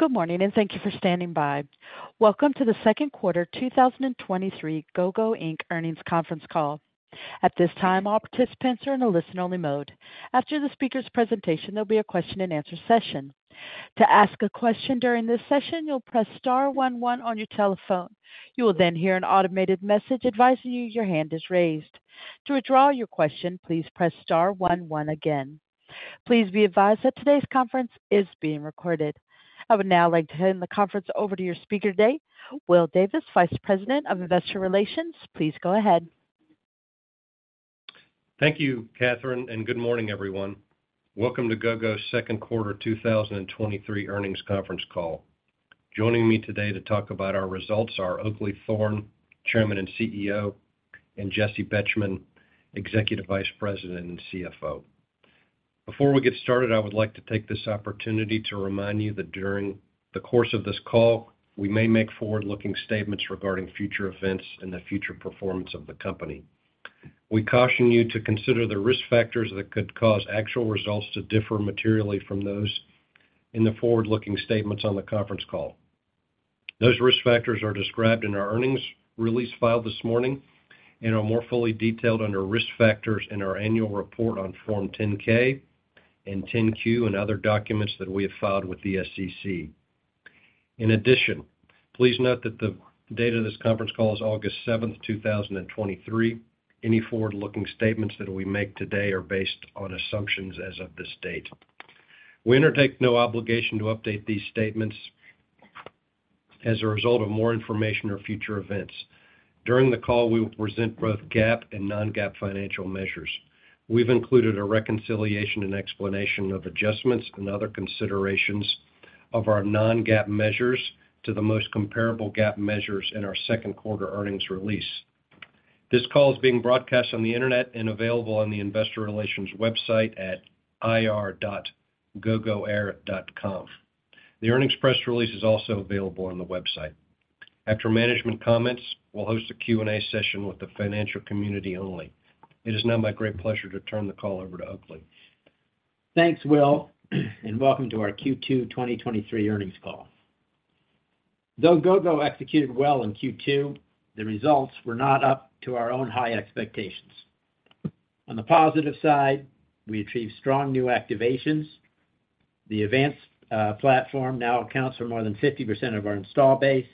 Good morning, and thank you for standing by. Welcome to the second quarter 2023 Gogo Inc. earnings conference call. At this time, all participants are in a listen-only mode. After the speaker's presentation, there'll be a question-and-answer session. To ask a question during this session, you'll press star one one on your telephone. You will then hear an automated message advising you your hand is raised. To withdraw your question, please press star one one again. Please be advised that today's conference is being recorded. I would now like to hand the conference over to your speaker today, Will Davis, Vice President of Investor Relations. Please go ahead. Thank you, Catherine. Good morning, everyone. Welcome to Gogo's second quarter 2023 earnings conference call. Joining me today to talk about our results are Oakleigh Thorne, Chairman and CEO, and Jesse Betcher, Executive Vice President and CFO. Before we get started, I would like to take this opportunity to remind you that during the course of this call, we may make forward-looking statements regarding future events and the future performance of the company. We caution you to consider the risk factors that could cause actual results to differ materially from those in the forward-looking statements on the conference call. Those risk factors are described in our earnings release filed this morning and are more fully detailed under Risk Factors in our annual report on Form 10-K and 10-Q and other documents that we have filed with the SEC. In addition, please note that the date of this conference call is August 7, 2023. Any forward-looking statements that we make today are based on assumptions as of this date. We undertake no obligation to update these statements as a result of more information or future events. During the call, we will present both GAAP and non-GAAP financial measures. We've included a reconciliation and explanation of adjustments and other considerations of our non-GAAP measures to the most comparable GAAP measures in our second quarter earnings release. This call is being broadcast on the Internet and available on the investor relations website at ir.gogoair.com. The earnings press release is also available on the website. After management comments, we'll host a Q&A session with the financial community only. It is now my great pleasure to turn the call over to Oakleigh. Thanks, Will, and welcome to our Q2 2023 earnings call. Though Gogo executed well in Q2, the results were not up to our own high expectations. On the positive side, we achieved strong new activations. The AVANCE platform now accounts for more than 50% of our install base,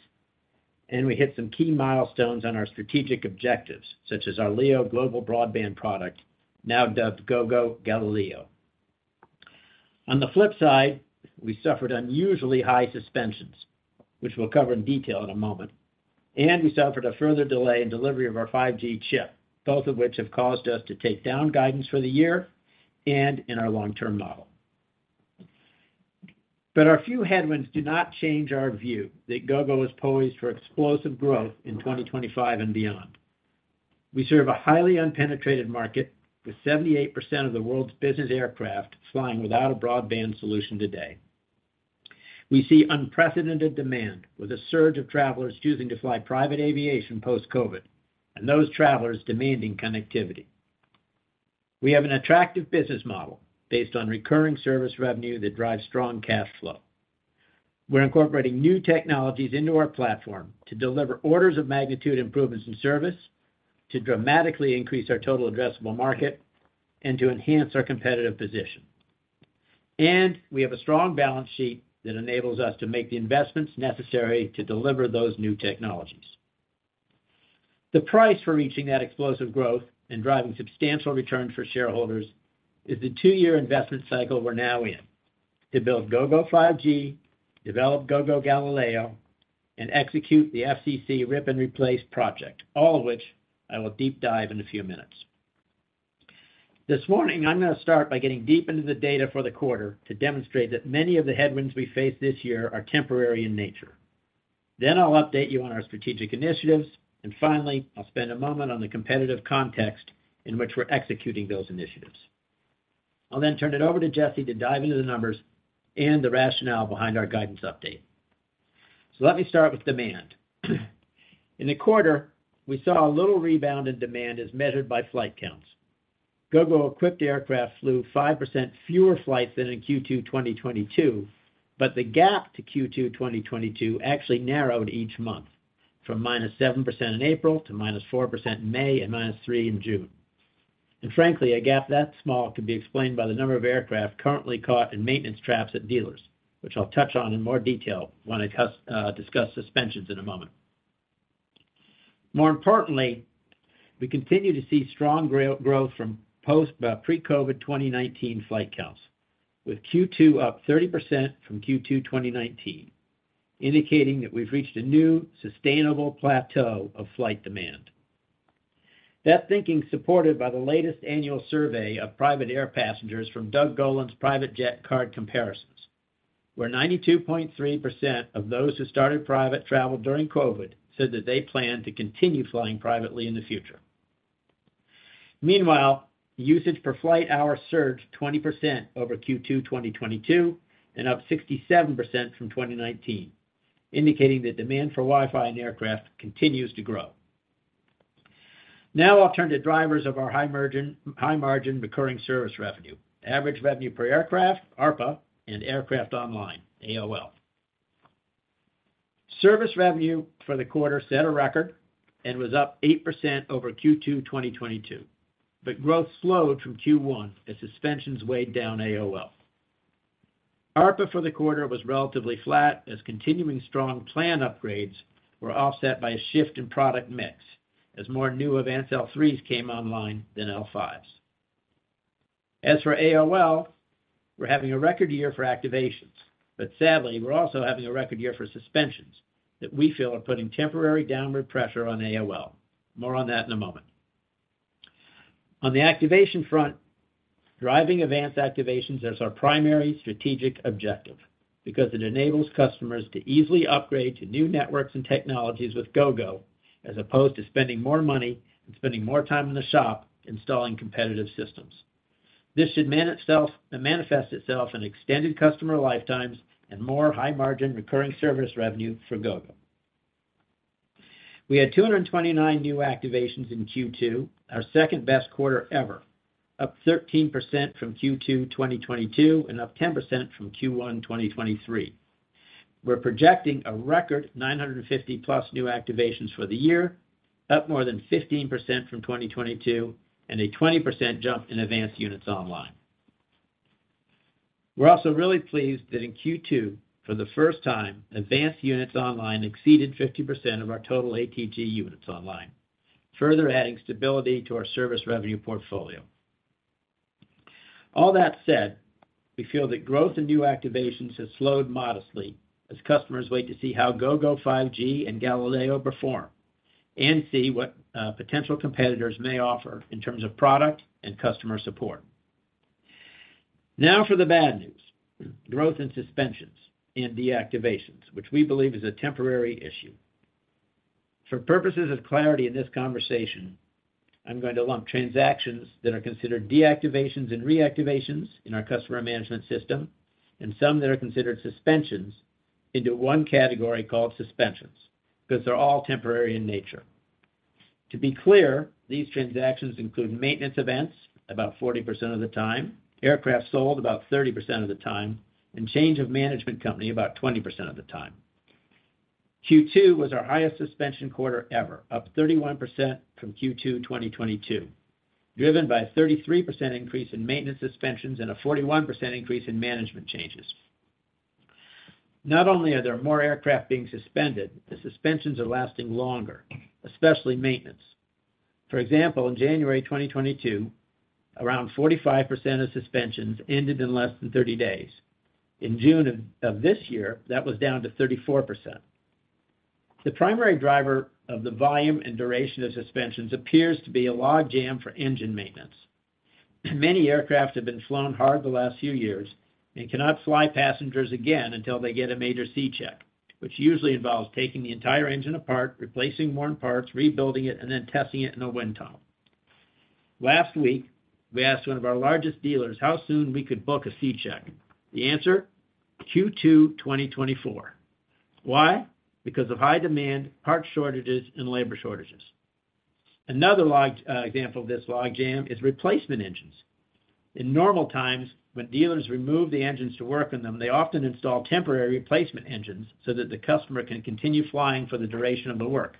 and we hit some key milestones on our strategic objectives, such as our LEO global broadband product, now dubbed Gogo Galileo. On the flip side, we suffered unusually high suspensions, which we'll cover in detail in a moment, and we suffered a further delay in delivery of our 5G chip, both of which have caused us to take down guidance for the year and in our long-term model. Our few headwinds do not change our view that Gogo is poised for explosive growth in 2025 and beyond. We serve a highly unpenetrated market, with 78% of the world's business aircraft flying without a broadband solution today. We see unprecedented demand, with a surge of travelers choosing to fly private aviation post-COVID, and those travelers demanding connectivity. We have an attractive business model based on recurring service revenue that drives strong cash flow. We're incorporating new technologies into our platform to deliver orders of magnitude improvements in service, to dramatically increase our total addressable market and to enhance our competitive position. We have a strong balance sheet that enables us to make the investments necessary to deliver those new technologies. The price for reaching that explosive growth and driving substantial returns for shareholders is the two-year investment cycle we're now in, to build Gogo 5G, develop Gogo Galileo, and execute the FCC rip and replace project, all of which I will deep dive in a few minutes. This morning, I'm going to start by getting deep into the data for the quarter to demonstrate that many of the headwinds we face this year are temporary in nature. I'll update you on our strategic initiatives. Finally, I'll spend a moment on the competitive context in which we're executing those initiatives. I'll then turn it over to Jesse to dive into the numbers and the rationale behind our guidance update. Let me start with demand. In the quarter, we saw a little rebound in demand as measured by flight counts. Gogo-equipped aircraft flew 5% fewer flights than in Q2 2022, but the gap to Q2 2022 actually narrowed each month, from -7% in April to -4% in May and -3% in June. Frankly, a gap that small can be explained by the number of aircraft currently caught in maintenance traps at dealers, which I'll touch on in more detail when I discuss suspensions in a moment. More importantly, we continue to see strong growth from post, pre-COVID 2019 flight counts, with Q2 up 30% from Q2 2019, indicating that we've reached a new, sustainable plateau of flight demand. That thinking is supported by the latest annual survey of private air passengers from Doug Gollan's Private Jet Card Comparisons, where 92.3% of those who started private travel during COVID said that they plan to continue flying privately in the future. Meanwhile, usage per flight hour surged 20% over Q2 2022 and up 67% from 2019, indicating that demand for Wi-Fi in aircraft continues to grow. Now I'll turn to drivers of our high margin, high margin recurring service revenue, Average Revenue Per Aircraft, ARPA, and Aircraft Online, AOL. Service revenue for the quarter set a record and was up 8% over Q2 2022. Growth slowed from Q1 as suspensions weighed down AOL. ARPA for the quarter was relatively flat, as continuing strong plan upgrades were offset by a shift in product mix, as more new AVANCE L3s came online than L5s. As for AOL, we're having a record year for activations, sadly, we're also having a record year for suspensions that we feel are putting temporary downward pressure on AOL. More on that in a moment. On the activation front, driving AVANCE activations is our primary strategic objective, because it enables customers to easily upgrade to new networks and technologies with Gogo, as opposed to spending more money and spending more time in the shop installing competitive systems. This should manifest itself in extended customer lifetimes and more high-margin, recurring service revenue for Gogo. We had 229 new activations in Q2, our second-best quarter ever, up 13% from Q2 2022 and up 10% from Q1 2023. We're projecting a record 950+ new activations for the year, up more than 15% from 2022, and a 20% jump in advanced units online. We're also really pleased that in Q2, for the first time, advanced units online exceeded 50% of our total ATG units online, further adding stability to our service revenue portfolio. All that said, we feel that growth in new activations has slowed modestly as customers wait to see how Gogo 5G and Galileo perform, and see what potential competitors may offer in terms of product and customer support. Now for the bad news, growth in suspensions and deactivations, which we believe is a temporary issue. For purposes of clarity in this conversation, I'm going to lump transactions that are considered deactivations and reactivations in our customer management system and some that are considered suspensions, into one category called suspensions, because they're all temporary in nature. To be clear, these transactions include maintenance events, about 40% of the time, aircraft sold, about 30% of the time, and change of management company, about 20% of the time. Q2 was our highest suspension quarter ever, up 31% from Q2 2022, driven by a 33% increase in maintenance suspensions and a 41% increase in management changes. Not only are there more aircraft being suspended, the suspensions are lasting longer, especially maintenance. For example, in January 2022, around 45% of suspensions ended in less than 30 days. In June of this year, that was down to 34%. The primary driver of the volume and duration of suspensions appears to be a log jam for engine maintenance. Many aircraft have been flown hard the last few years and cannot fly passengers again until they get a major C-check, which usually involves taking the entire engine apart, replacing worn parts, rebuilding it, and then testing it in a wind tunnel. Last week, we asked one of our largest dealers how soon we could book a C-check. The answer, Q2 2024. Why? Because of high demand, parts shortages, and labor shortages. Another log example of this log jam is replacement engines. In normal times, when dealers remove the engines to work on them, they often install temporary replacement engines so that the customer can continue flying for the duration of the work.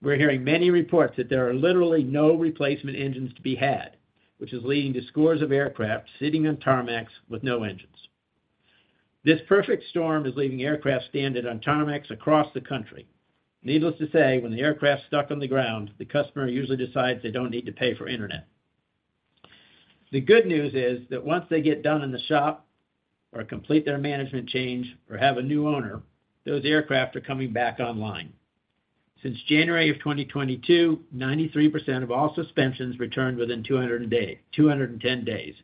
We're hearing many reports that there are literally no replacement engines to be had, which is leading to scores of aircraft sitting on tarmacs with no engines. This perfect storm is leaving aircraft stranded on tarmacs across the country. Needless to say, when the aircraft's stuck on the ground, the customer usually decides they don't need to pay for internet. The good news is that once they get done in the shop, or complete their management change, or have a new owner, those aircraft are coming back online. Since January of 2022, 93% of all suspensions returned within 210 days,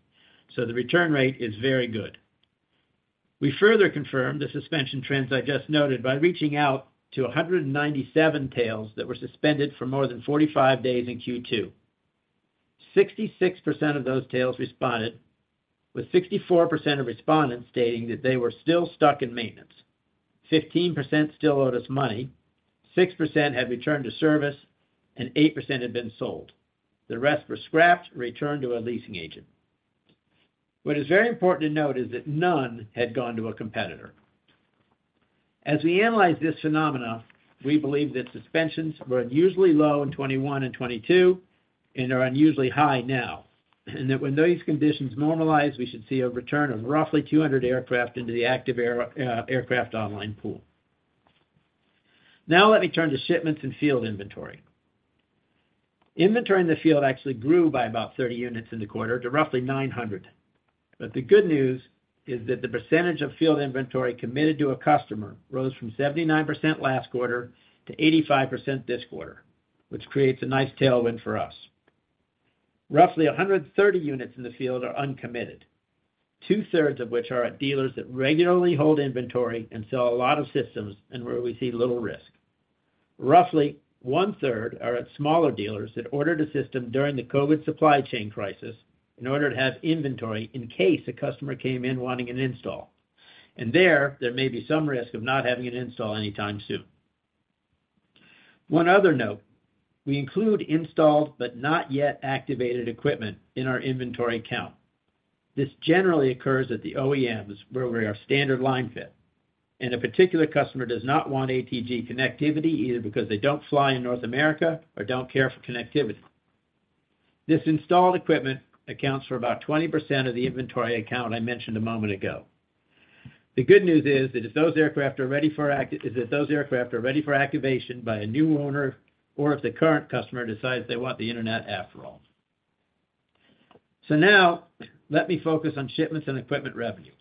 so the return rate is very good. We further confirmed the suspension trends I just noted by reaching out to 197 tails that were suspended for more than 45 days in Q2. 66% of those tails responded, with 64% of respondents stating that they were still stuck in maintenance. 15% still owed us money, 6% had returned to service, and 8% had been sold. The rest were scrapped or returned to a leasing agent. What is very important to note is that none had gone to a competitor. As we analyze this phenomena, we believe that suspensions were unusually low in 2021 and 2022, and are unusually high now, and that when these conditions normalize, we should see a return of roughly 200 aircraft into the active air, aircraft online pool. Now, let me turn to shipments and field inventory. Inventory in the field actually grew by about 30 units in the quarter to roughly 900. The good news is that the percentage of field inventory committed to a customer rose from 79% last quarter to 85% this quarter, which creates a nice tailwind for us. Roughly 130 units in the field are uncommitted, 2/3 of which are at dealers that regularly hold inventory and sell a lot of systems and where we see little risk. Roughly 1/3 are at smaller dealers that ordered a system during the COVID supply chain crisis in order to have inventory in case a customer came in wanting an install. There, there may be some risk of not having it installed anytime soon. One other note, we include installed but not yet activated equipment in our inventory count. This generally occurs at the OEMs, where we are standard line fit, and a particular customer does not want ATG connectivity, either because they don't fly in North America or don't care for connectivity. This installed equipment accounts for about 20% of the inventory account I mentioned a moment ago. The good news is, that if those aircraft are ready for activation by a new owner or if the current customer decides they want the internet after all. Now, let me focus on shipments and equipment revenue.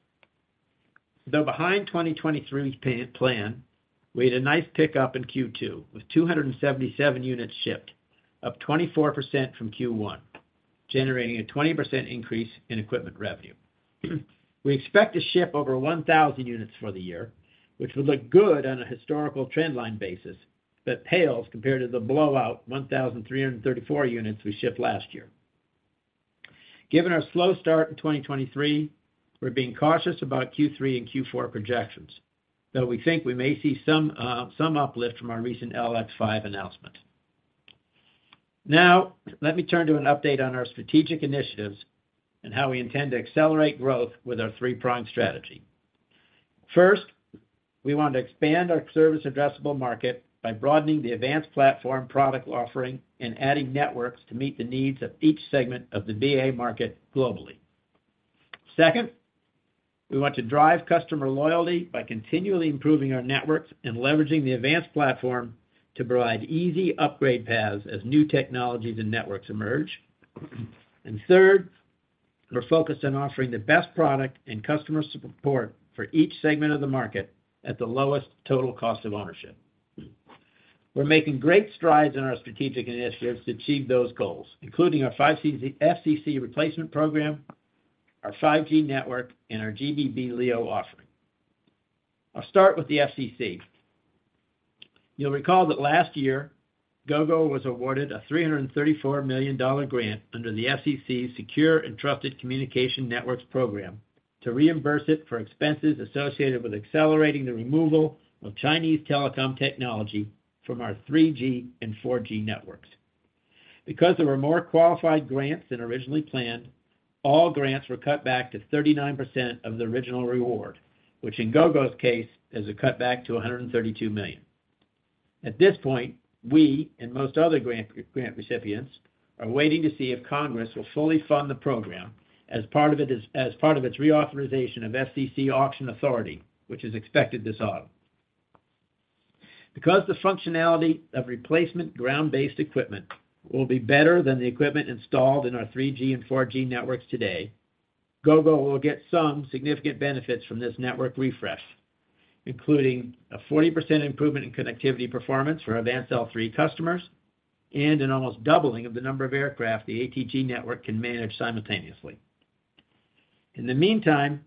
Though behind 2023's plan, we had a nice pickup in Q2, with 277 units shipped, up 24% from Q1, generating a 20% increase in equipment revenue. We expect to ship over 1,000 units for the year, which would look good on a historical trend line basis, but pales compared to the blowout 1,334 units we shipped last year. Given our slow start in 2023, we're being cautious about Q3 and Q4 projections, though we think we may see some, some uplift from our recent LX5 announcement. Now, let me turn to an update on our strategic initiatives and how we intend to accelerate growth with our three-pronged strategy. First, we want to expand our service addressable market by broadening the AVANCE platform product offering and adding networks to meet the needs of each segment of the BA market globally. Second, we want to drive customer loyalty by continually improving our networks and leveraging the AVANCE platform to provide easy upgrade paths as new technologies and networks emerge. Third, we're focused on offering the best product and customer support for each segment of the market at the lowest total cost of ownership. We're making great strides in our strategic initiatives to achieve those goals, including our FCC replacement program, our 5G network, and our GBB LEO offering. I'll start with the FCC. You'll recall that last year, Gogo was awarded a $334 million grant under the FCC's Secure and Trusted Communications Networks Reimbursement Program to reimburse it for expenses associated with accelerating the removal of Chinese telecom technology from our 3G and 4G networks. Because there were more qualified grants than originally planned, all grants were cut back to 39% of the original reward, which in Gogo's case, is a cutback to $132 million. At this point, we and most other grant, grant recipients, are waiting to see if Congress will fully fund the program as part of it, as part of its reauthorization of FCC auction authority, which is expected this autumn. Because the functionality of replacement ground-based equipment will be better than the equipment installed in our 3G and 4G networks today, Gogo will get some significant benefits from this network refresh, including a 40% improvement in connectivity performance for AVANCE L3 customers, and an almost doubling of the number of aircraft the ATG network can manage simultaneously. In the meantime,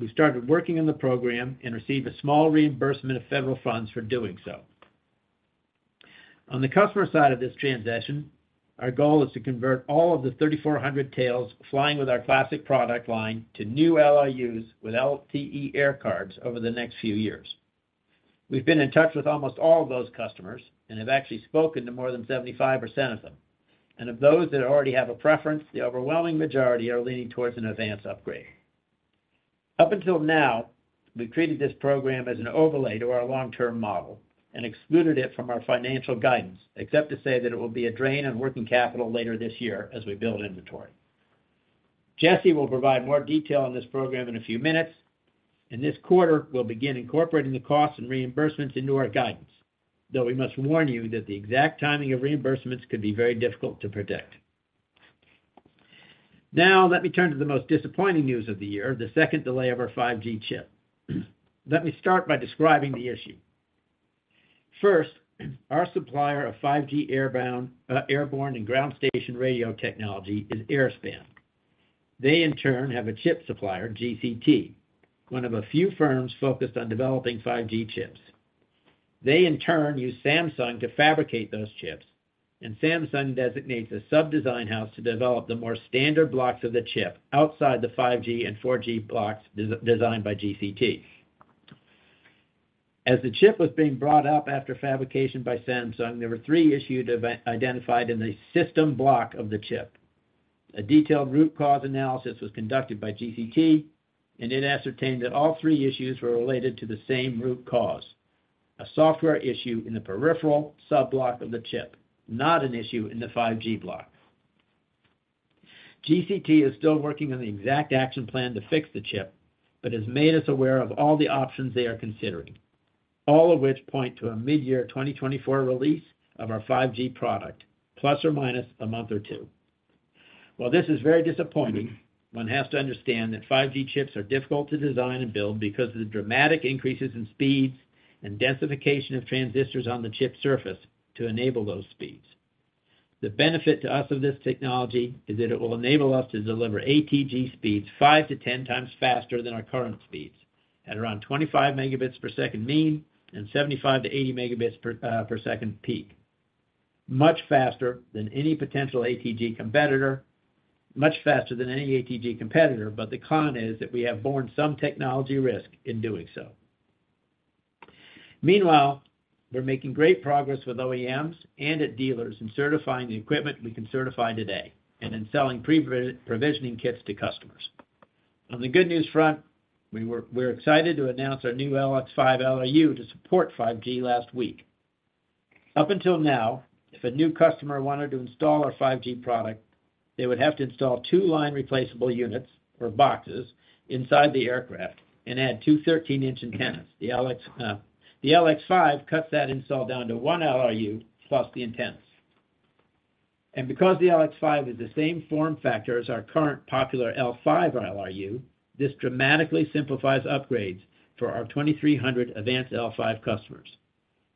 we've started working on the program and received a small reimbursement of federal funds for doing so. On the customer side of this transition, our goal is to convert all of the 3,400 tails flying with our Gogo Classic product line to new LIUs with LTE air cards over the next few years. We've been in touch with almost all of those customers and have actually spoken to more than 75% of them. Of those that already have a preference, the overwhelming majority are leaning towards an AVANCE upgrade. Up until now, we've treated this program as an overlay to our long-term model and excluded it from our financial guidance, except to say that it will be a drain on working capital later this year as we build inventory. Jesse will provide more detail on this program in a few minutes, and this quarter, we'll begin incorporating the costs and reimbursements into our guidance, though we must warn you that the exact timing of reimbursements could be very difficult to predict. Now, let me turn to the most disappointing news of the year, the second delay of our 5G chip. Let me start by describing the issue. First, our supplier of 5G airbound, airborne and ground station radio technology is Airspan. They, in turn, have a chip supplier, GCT, one of a few firms focused on developing 5G chips. They, in turn, use Samsung to fabricate those chips, and Samsung designates a sub-design house to develop the more standard blocks of the chip outside the 5G and 4G blocks designed by GCT. As the chip was being brought up after fabrication by Samsung, there were three issues identified in the system block of the chip. A detailed root cause analysis was conducted by GCT, and it ascertained that all three issues were related to the same root cause, a software issue in the peripheral sub-block of the chip, not an issue in the 5G block. GCT is still working on the exact action plan to fix the chip, but has made us aware of all the options they are considering, all of which point to a mid-year 2024 release of our 5G product, ± a month or two. While this is very disappointing, one has to understand that 5G chips are difficult to design and build because of the dramatic increases in speeds and densification of transistors on the chip surface to enable those speeds. The benefit to us of this technology is that it will enable us to deliver ATG speeds 5 to 10 times faster than our current speeds, at around 25 Mbps mean and 75-80 Mbps peak. much faster than any potential ATG competitor, much faster than any ATG competitor, but the con is that we have borne some technology risk in doing so. Meanwhile, we're making great progress with OEMs and at dealers in certifying the equipment we can certify today, and in selling pre-provisioning kits to customers. On the good news front, we're excited to announce our new LX-5 LRU to support 5G last week. Up until now, if a new customer wanted to install our 5G product, they would have to install 2 line replaceable units or boxes inside the aircraft and add 2 13-inch antennas. The LX, the LX5 cuts that install down to 1 LRU plus the antennas. Because the LX5 is the same form factor as our current popular L5 LRU, this dramatically simplifies upgrades for our 2,300 advanced L5 customers.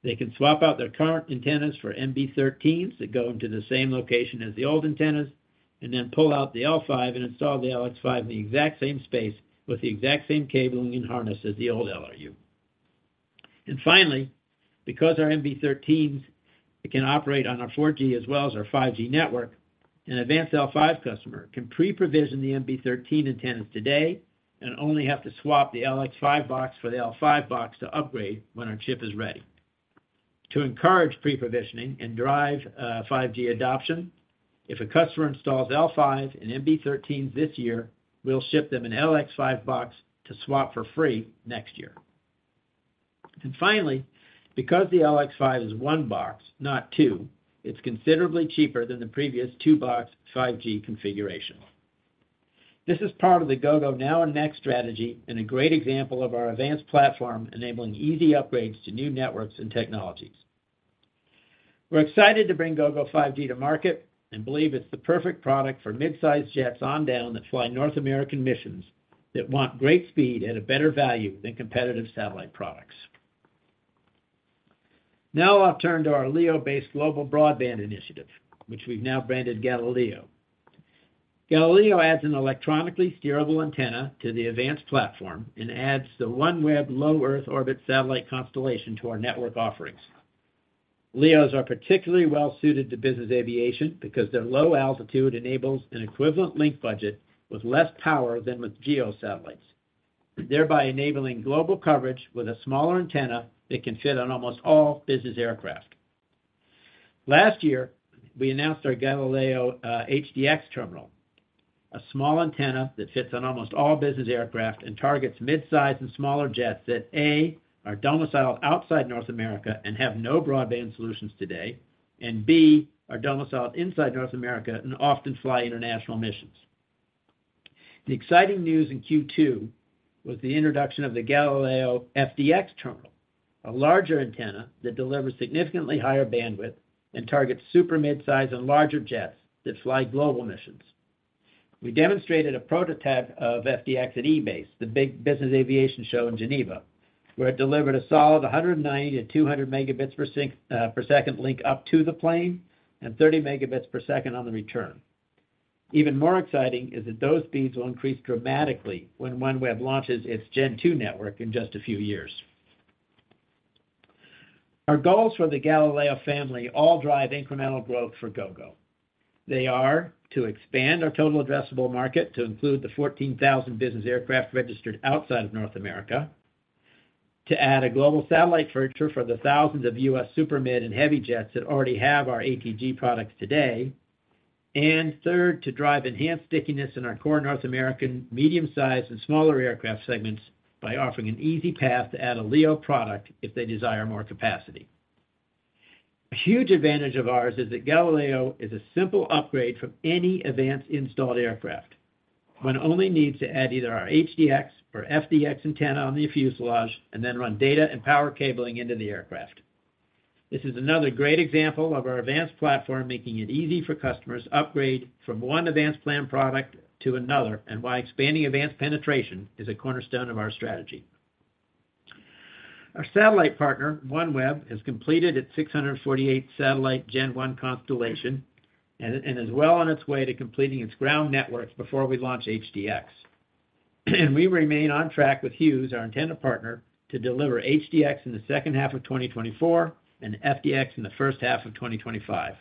They can swap out their current antennas for MB-13s that go into the same location as the old antennas, and then pull out the L5 and install the LX5 in the exact same space, with the exact same cabling and harness as the old LRU. Finally, because our MB-13s can operate on our 4G as well as our 5G network, an advanced L5 customer can pre-provision the MB-13 antennas today and only have to swap the LX5 box for the L5 box to upgrade when our chip is ready. To encourage pre-provisioning and drive 5G adoption, if a customer installs L5 and MB-13s this year, we'll ship them an LX5 box to swap for free next year. Finally, because the LX5 is 1 box, not 2, it's considerably cheaper than the previous 2-box 5G configuration. This is part of the Gogo Now & Next strategy, and a great example of our advanced platform, enabling easy upgrades to new networks and technologies. We're excited to bring Gogo 5G to market and believe it's the perfect product for midsize jets on down, that fly North American missions, that want great speed at a better value than competitive satellite products. I'll turn to our LEO-based global broadband initiative, which we've now branded Galileo. Galileo adds an electronically steerable antenna to the advanced platform and adds the OneWeb low Earth orbit satellite constellation to our network offerings. LEOs are particularly well-suited to business aviation because their low altitude enables an equivalent link budget with less power than with GEO satellites, thereby enabling global coverage with a smaller antenna that can fit on almost all business aircraft. Last year, we announced our Galileo HDX terminal, a small antenna that fits on almost all business aircraft and targets midsize and smaller jets that, A, are domiciled outside North America and have no broadband solutions today, and B, are domiciled inside North America and often fly international missions. The exciting news in Q2 was the introduction of the Galileo FDX terminal, a larger antenna that delivers significantly higher bandwidth and targets super midsize and larger jets that fly global missions. We demonstrated a prototype of FDX at EBACE, the big business aviation show in Geneva, where it delivered a solid 190-200 megabits per second link up to the plane, and 30 Mbps on the return. Even more exciting is that those speeds will increase dramatically when OneWeb launches its Gen 2 network in just a few years. Our goals for the Galileo family all drive incremental growth for Gogo. They are to expand our total addressable market to include the 14,000 business aircraft registered outside of North America, to add a global satellite furniture for the thousands of U.S. super mid and heavy jets that already have our ATG products today. Third, to drive enhanced stickiness in our core North American medium-sized and smaller aircraft segments by offering an easy path to add a LEO product if they desire more capacity. A huge advantage of ours is that Galileo is a simple upgrade from any AVANCE installed aircraft. One only needs to add either our HDX or FDX antenna on the fuselage and then run data and power cabling into the aircraft. This is another great example of our AVANCE platform, making it easy for customers to upgrade from one AVANCE plan product to another, and why expanding AVANCE penetration is a cornerstone of our strategy. Our satellite partner, OneWeb, has completed its 648 satellite Gen 1 constellation, and is well on its way to completing its ground networks before we launch HDX. We remain on track with Hughes, our antenna partner, to deliver HDX in the second half of 2024 and FDX in the first half of 2025.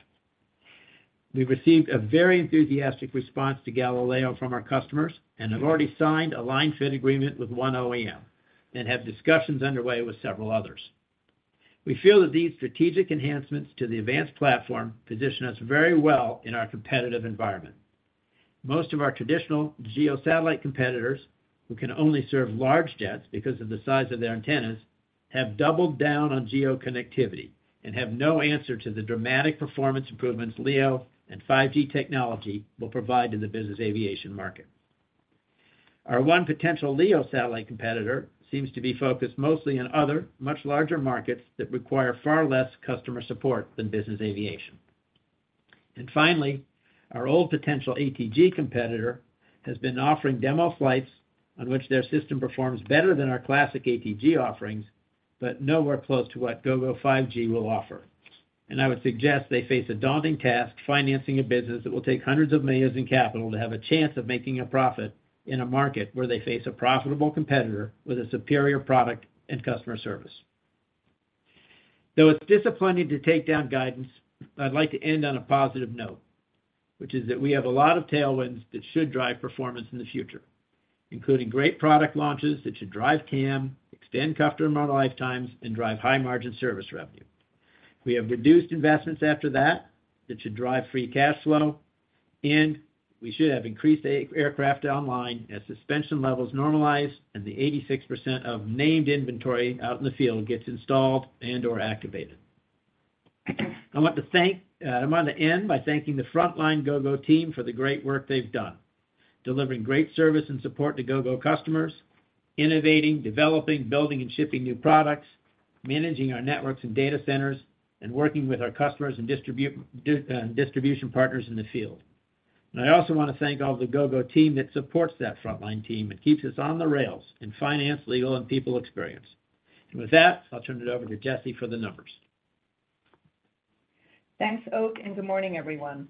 We've received a very enthusiastic response to Galileo from our customers, and have already signed a line fit agreement with one OEM, and have discussions underway with several others. We feel that these strategic enhancements to the advanced platform position us very well in our competitive environment. Most of our traditional GEO satellite competitors, who can only serve large jets because of the size of their antennas, have doubled down on GEO connectivity and have no answer to the dramatic performance improvements LEO and 5G technology will provide to the business aviation market. Our one potential LEO satellite competitor seems to be focused mostly on other, much larger markets that require far less customer support than business aviation. Finally, our old potential ATG competitor has been offering demo flights on which their system performs better than our classic ATG offerings, but nowhere close to what Gogo 5G will offer. I would suggest they face a daunting task, financing a business that will take $100s of millions in capital to have a chance of making a profit in a market where they face a profitable competitor with a superior product and customer service.... Though it's disappointing to take down guidance, I'd like to end on a positive note, which is that we have a lot of tailwinds that should drive performance in the future, including great product launches that should drive CAM, extend customer lifetimes, and drive high-margin service revenue. We have reduced investments after that, that should drive free cash flow, and we should have increased aircraft online as suspension levels normalize and the 86% of named inventory out in the field gets installed and/or activated. I want to thank, I want to end by thanking the frontline Gogo team for the great work they've done, delivering great service and support to Gogo customers, innovating, developing, building, and shipping new products, managing our networks and data centers, and working with our customers and distribution partners in the field. I also want to thank all the Gogo team that supports that frontline team and keeps us on the rails in finance, legal, and people experience. With that, I'll turn it over to Jesse for the numbers. Thanks, Oak. Good morning, everyone.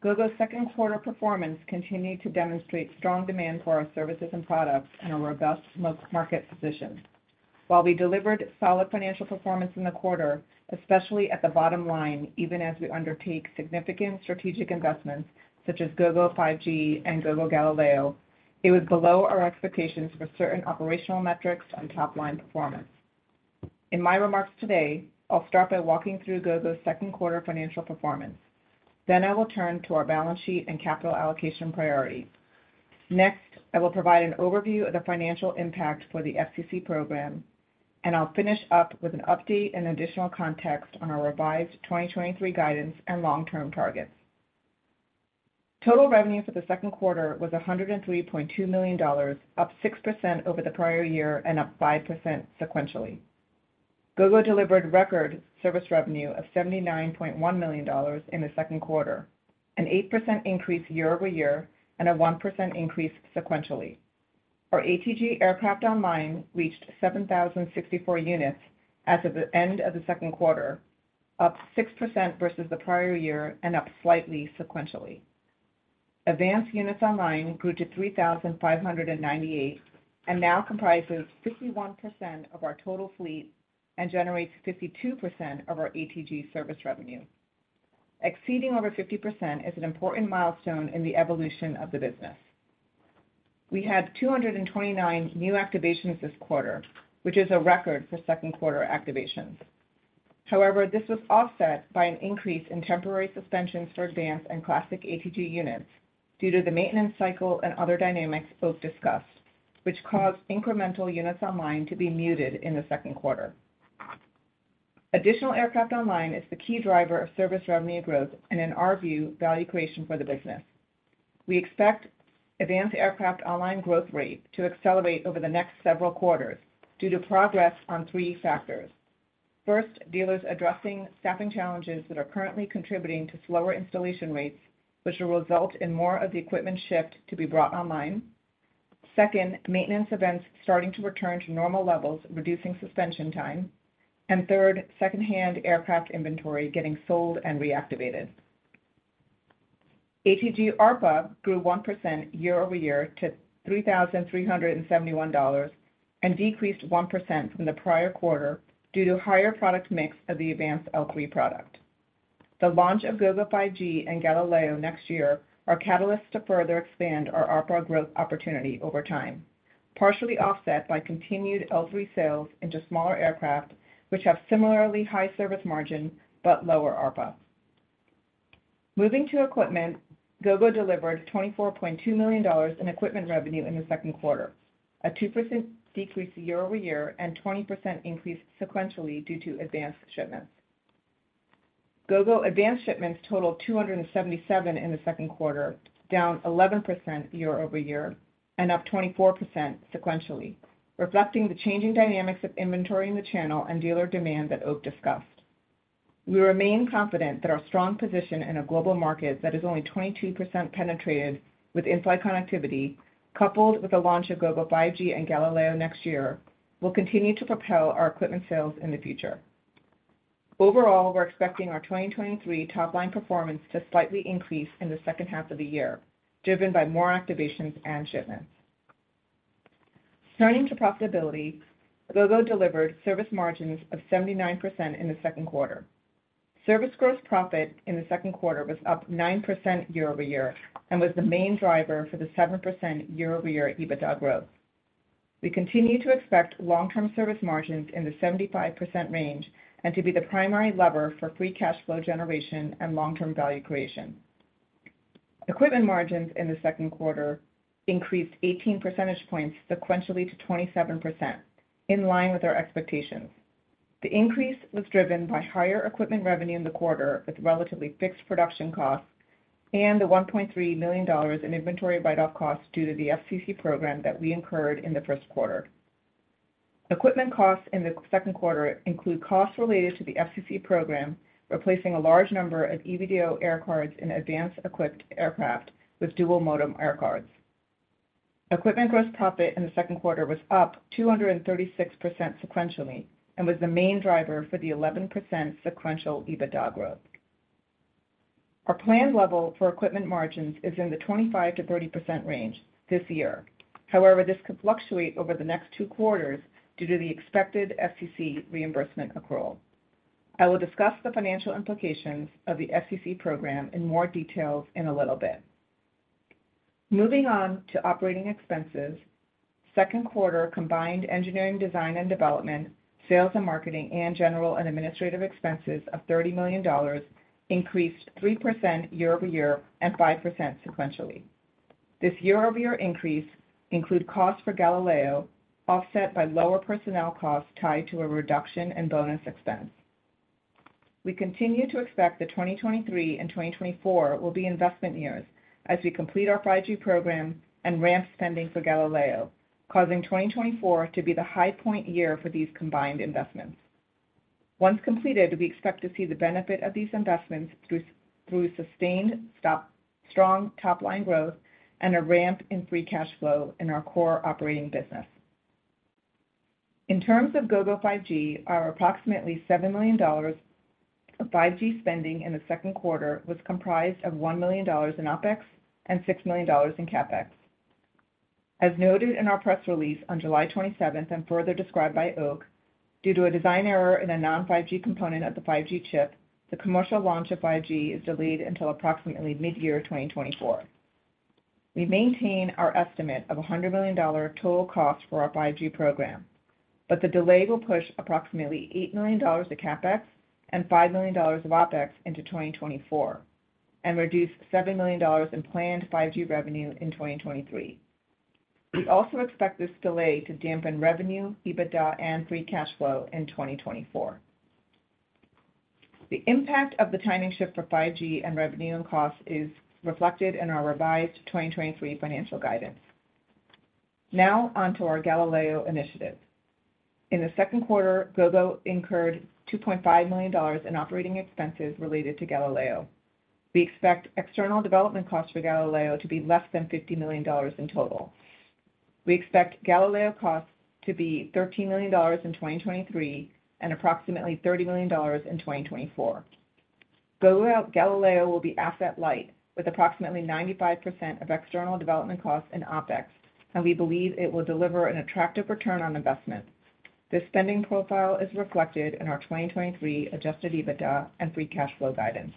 Gogo's second quarter performance continued to demonstrate strong demand for our services and products and a robust market position. While we delivered solid financial performance in the quarter, especially at the bottom line, even as we undertake significant strategic investments such as Gogo 5G and Gogo Galileo, it was below our expectations for certain operational metrics and top-line performance. In my remarks today, I'll start by walking through Gogo's second quarter financial performance. I will turn to our balance sheet and capital allocation priorities. Next, I will provide an overview of the financial impact for the FCC program, and I'll finish up with an update and additional context on our revised 2023 guidance and long-term targets. Total revenue for the second quarter was $103.2 million, up 6% over the prior year and up 5% sequentially. Gogo delivered record service revenue of $79.1 million in the second quarter, an 8% increase year-over-year and a 1% increase sequentially. Our ATG aircraft online reached 7,064 units as of the end of the second quarter, up 6% versus the prior year and up slightly sequentially. Advanced units online grew to 3,598 and now comprises 51% of our total fleet and generates 52% of our ATG service revenue. Exceeding over 50% is an important milestone in the evolution of the business. We had 229 new activations this quarter, which is a record for second-quarter activations. However, this was offset by an increase in temporary suspensions for AVANCE and Gogo Classic ATG units due to the maintenance cycle and other dynamics both discussed, which caused incremental units online to be muted in the second quarter. Additional aircraft online is the key driver of service revenue growth and, in our view, value creation for the business. We expect advanced aircraft online growth rate to accelerate over the next several quarters due to progress on 3 factors. First, dealers addressing staffing challenges that are currently contributing to slower installation rates, which will result in more of the equipment shipped to be brought online. Second, maintenance events starting to return to normal levels, reducing suspension time. Third, secondhand aircraft inventory getting sold and reactivated. ATG ARPA grew 1% year-over-year to $3,371 and decreased 1% from the prior quarter due to higher product mix of the AVANCE L3 product. The launch of Gogo 5G and Gogo Galileo next year are catalysts to further expand our ARPA growth opportunity over time, partially offset by continued AVANCE L3 sales into smaller aircraft, which have similarly high service margin but lower ARPA. Moving to equipment, Gogo delivered $24.2 million in equipment revenue in the second quarter, a 2% decrease year-over-year and 20% increase sequentially due to AVANCE shipments. Gogo AVANCE shipments totaled 277 in the second quarter, down 11% year-over-year and up 24% sequentially, reflecting the changing dynamics of inventory in the channel and dealer demand that Oak discussed. We remain confident that our strong position in a global market that is only 22% penetrated with in-flight connectivity, coupled with the launch of Gogo 5G and Galileo next year, will continue to propel our equipment sales in the future. Overall, we're expecting our 2023 top-line performance to slightly increase in the second half of the year, driven by more activations and shipments. Turning to profitability, Gogo delivered service margins of 79% in the second quarter. Service gross profit in the second quarter was up 9% year-over-year and was the main driver for the 7% year-over-year EBITDA growth. We continue to expect long-term service margins in the 75% range and to be the primary lever for free cash flow generation and long-term value creation. Equipment margins in the second quarter increased 18 percentage points sequentially to 27%, in line with our expectations. The increase was driven by higher equipment revenue in the quarter, with relatively fixed production costs and the $1.3 million in inventory write-off costs due to the FCC program that we incurred in the first quarter. Equipment costs in the second quarter include costs related to the FCC program, replacing a large number of EVDO air cards in AVANCE-equipped aircraft with dual-modem air cards. Equipment gross profit in the second quarter was up 236% sequentially and was the main driver for the 11% sequential EBITDA growth. Our planned level for equipment margins is in the 25%-30% range this year. However, this could fluctuate over the next two quarters due to the expected FCC reimbursement accrual. I will discuss the financial implications of the FCC program in more details in a little bit. Moving on to operating expenses, second quarter combined engineering, design and development, sales and marketing, and general and administrative expenses of $30 million increased 3% year-over-year and 5% sequentially. This year-over-year increase include costs for Galileo, offset by lower personnel costs tied to a reduction in bonus expense. We continue to expect that 2023 and 2024 will be investment years as we complete our 5G program and ramp spending for Galileo, causing 2024 to be the high point year for these combined investments. Once completed, we expect to see the benefit of these investments through sustained strong top-line growth and a ramp in free cash flow in our core operating business. In terms of Gogo 5G, our approximately $7 million of 5G spending in the second quarter was comprised of $1 million in OpEx and $6 million in CapEx. As noted in our press release on July 27th, and further described by Oak, due to a design error in a non-5G component of the 5G chip, the commercial launch of 5G is delayed until approximately mid-year 2024. We maintain our estimate of a $100 million total cost for our 5G program, but the delay will push approximately $8 million of CapEx and $5 million of OpEx into 2024, and reduce $70 million in planned 5G revenue in 2023. We also expect this delay to dampen revenue, EBITDA, and free cash flow in 2024. The impact of the timing shift for 5G and revenue and costs is reflected in our revised 2023 financial guidance. On to our Galileo initiative. In the second quarter, Gogo incurred $2.5 million in OpEx related to Galileo. We expect external development costs for Galileo to be less than $50 million in total. We expect Galileo costs to be $13 million in 2023, and approximately $30 million in 2024. Gogo Galileo will be asset light, with approximately 95% of external development costs in OpEx, and we believe it will deliver an attractive ROI. This spending profile is reflected in our 2023 Adjusted EBITDA and free cash flow guidance.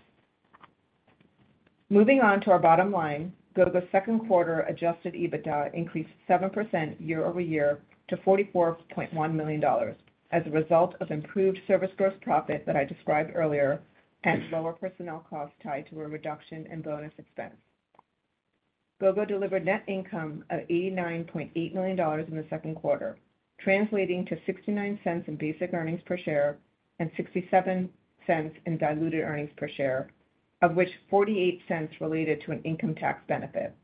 Moving on to our bottom line, Gogo's second quarter Adjusted EBITDA increased 7% year-over-year to $44.1 million, as a result of improved service gross profit that I described earlier, and lower personnel costs tied to a reduction in bonus expense. Gogo delivered net income of $89.8 million in the second quarter, translating to $0.69 in basic earnings per share and $0.67 in diluted earnings per share, of which $0.48 related to an income tax benefit.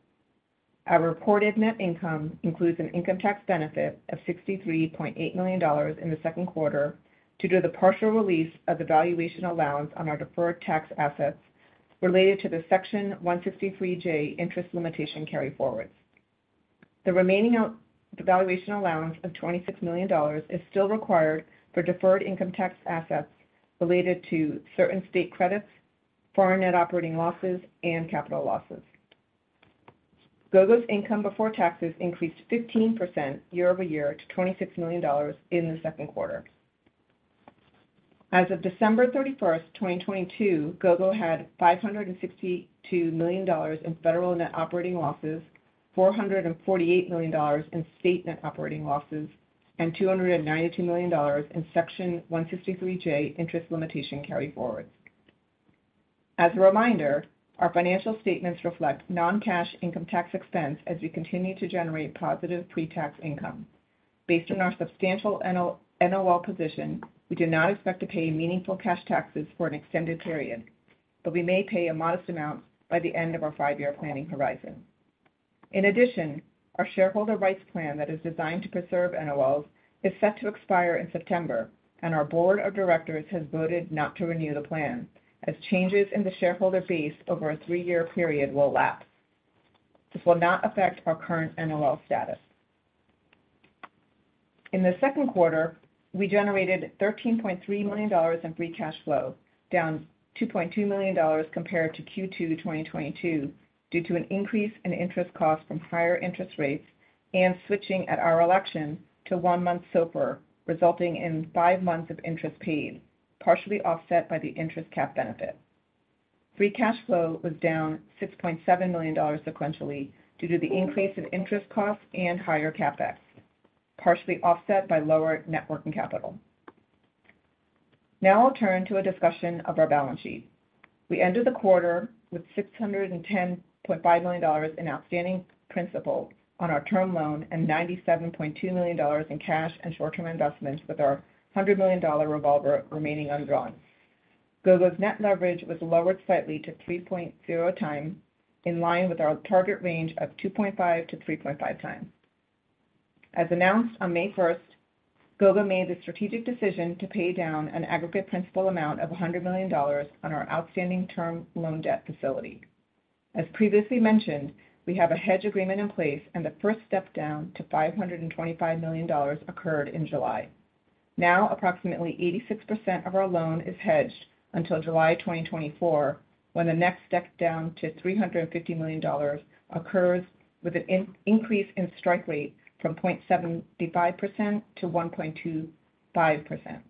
Our reported net income includes an income tax benefit of $63.8 million in the second quarter due to the partial release of the valuation allowance on our deferred tax assets related to the Section 163(j) interest limitation carryforwards. The remaining the valuation allowance of $26 million is still required for deferred income tax assets related to certain state credits, foreign net operating losses, and capital losses. Gogo's income before taxes increased 15% year-over-year to $26 million in the second quarter. As of December 31, 2022, Gogo had $562 million in federal net operating losses, $448 million in state net operating losses, and $292 million in Section 163(j) interest limitation carryforwards. As a reminder, our financial statements reflect non-cash income tax expense as we continue to generate positive pre-tax income. Based on our substantial NOL position, we do not expect to pay meaningful cash taxes for an extended period, but we may pay a modest amount by the end of our five-year planning horizon. In addition, our shareholder rights plan that is designed to preserve NOLs is set to expire in September, and our board of directors has voted not to renew the plan, as changes in the shareholder base over a three-year period will lapse. This will not affect our current NOLs status. In the second quarter, we generated $13.3 million in free cash flow, down $2.2 million compared to Q2 2022, due to an increase in interest costs from higher interest rates and switching at our election to one-month SOFR, resulting in five months of interest paid, partially offset by the interest cap benefit. Free cash flow was down $6.7 million sequentially due to the increase in interest costs and higher CapEx, partially offset by lower net working capital. Now I'll turn to a discussion of our balance sheet. We ended the quarter with $610.5 million in outstanding principal on our term loan and $97.2 million in cash and short-term investments, with our $100 million revolver remaining undrawn. Gogo's net leverage was lowered slightly to 3.0x, in line with our target range of 2.5x-3.5x. As announced on May 1st, Gogo made the strategic decision to pay down an aggregate principal amount of $100 million on our outstanding term loan debt facility. As previously mentioned, we have a hedge agreement in place, and the first step down to $525 million occurred in July. Approximately 86% of our loan is hedged until July 2024, when the next step down to $350 million occurs with an increase in strike rate from 0.755% to 1.25%.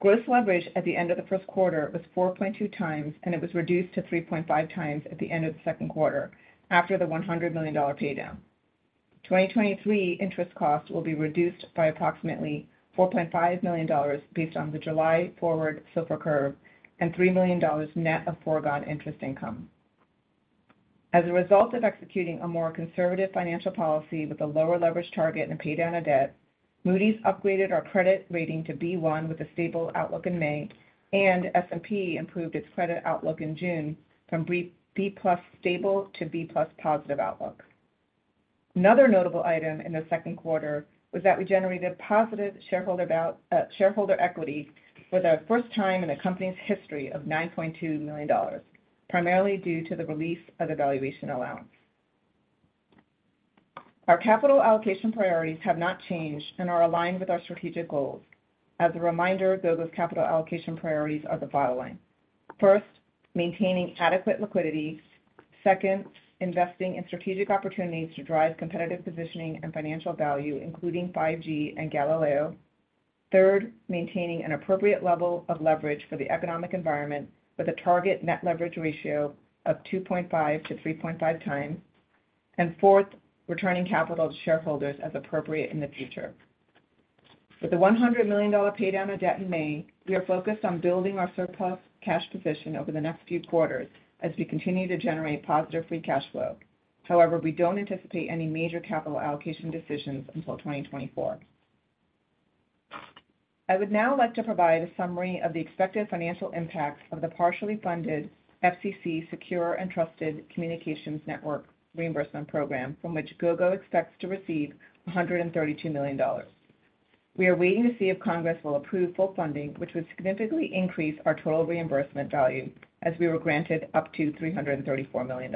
Gross leverage at the end of the first quarter was 4.2x, it was reduced to 3.5x at the end of the second quarter after the $100 million pay down. 2023 interest costs will be reduced by approximately $4.5 million based on the July forward SOFR curve and $3 million net of foregone interest income. As a result of executing a more conservative financial policy with a lower leverage target and a pay down of debt, Moody's upgraded our credit rating to B1 with a stable outlook in May, and S&P improved its credit outlook in June from B- B+ stable to B+ positive outlook. Another notable item in the second quarter was that we generated positive shareholder equity for the first time in the company's history of $9.2 million, primarily due to the release of the valuation allowance. Our capital allocation priorities have not changed and are aligned with our strategic goals. As a reminder, Gogo's capital allocation priorities are the following: First, maintaining adequate liquidity. Second, investing in strategic opportunities to drive competitive positioning and financial value, including 5G and Galileo. Third, maintaining an appropriate level of leverage for the economic environment with a target net leverage ratio of 2.5-3.5x. Fourth, returning capital to shareholders as appropriate in the future. With the $100 million pay down of debt in May, we are focused on building our surplus cash position over the next few quarters as we continue to generate positive free cash flow. However, we don't anticipate any major capital allocation decisions until 2024. I would now like to provide a summary of the expected financial impacts of the partially funded FCC Secure and Trusted Communications Networks Reimbursement Program, from which Gogo expects to receive $132 million. We are waiting to see if Congress will approve full funding, which would significantly increase our total reimbursement value, as we were granted up to $334 million.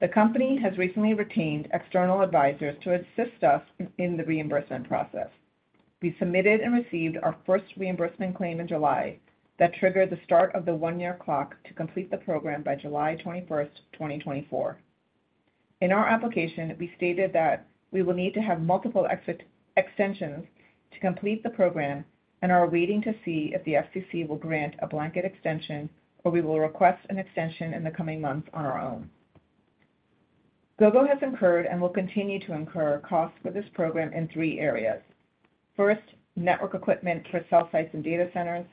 The company has recently retained external advisors to assist us in the reimbursement process. We submitted and received our first reimbursement claim in July that triggered the start of the one-year clock to complete the program by July 21st, 2024. In our application, we stated that we will need to have multiple extensions to complete the program and are waiting to see if the FCC will grant a blanket extension, or we will request an extension in the coming months on our own. Gogo has incurred and will continue to incur costs for this program in three areas. First, network equipment for cell sites and data centers.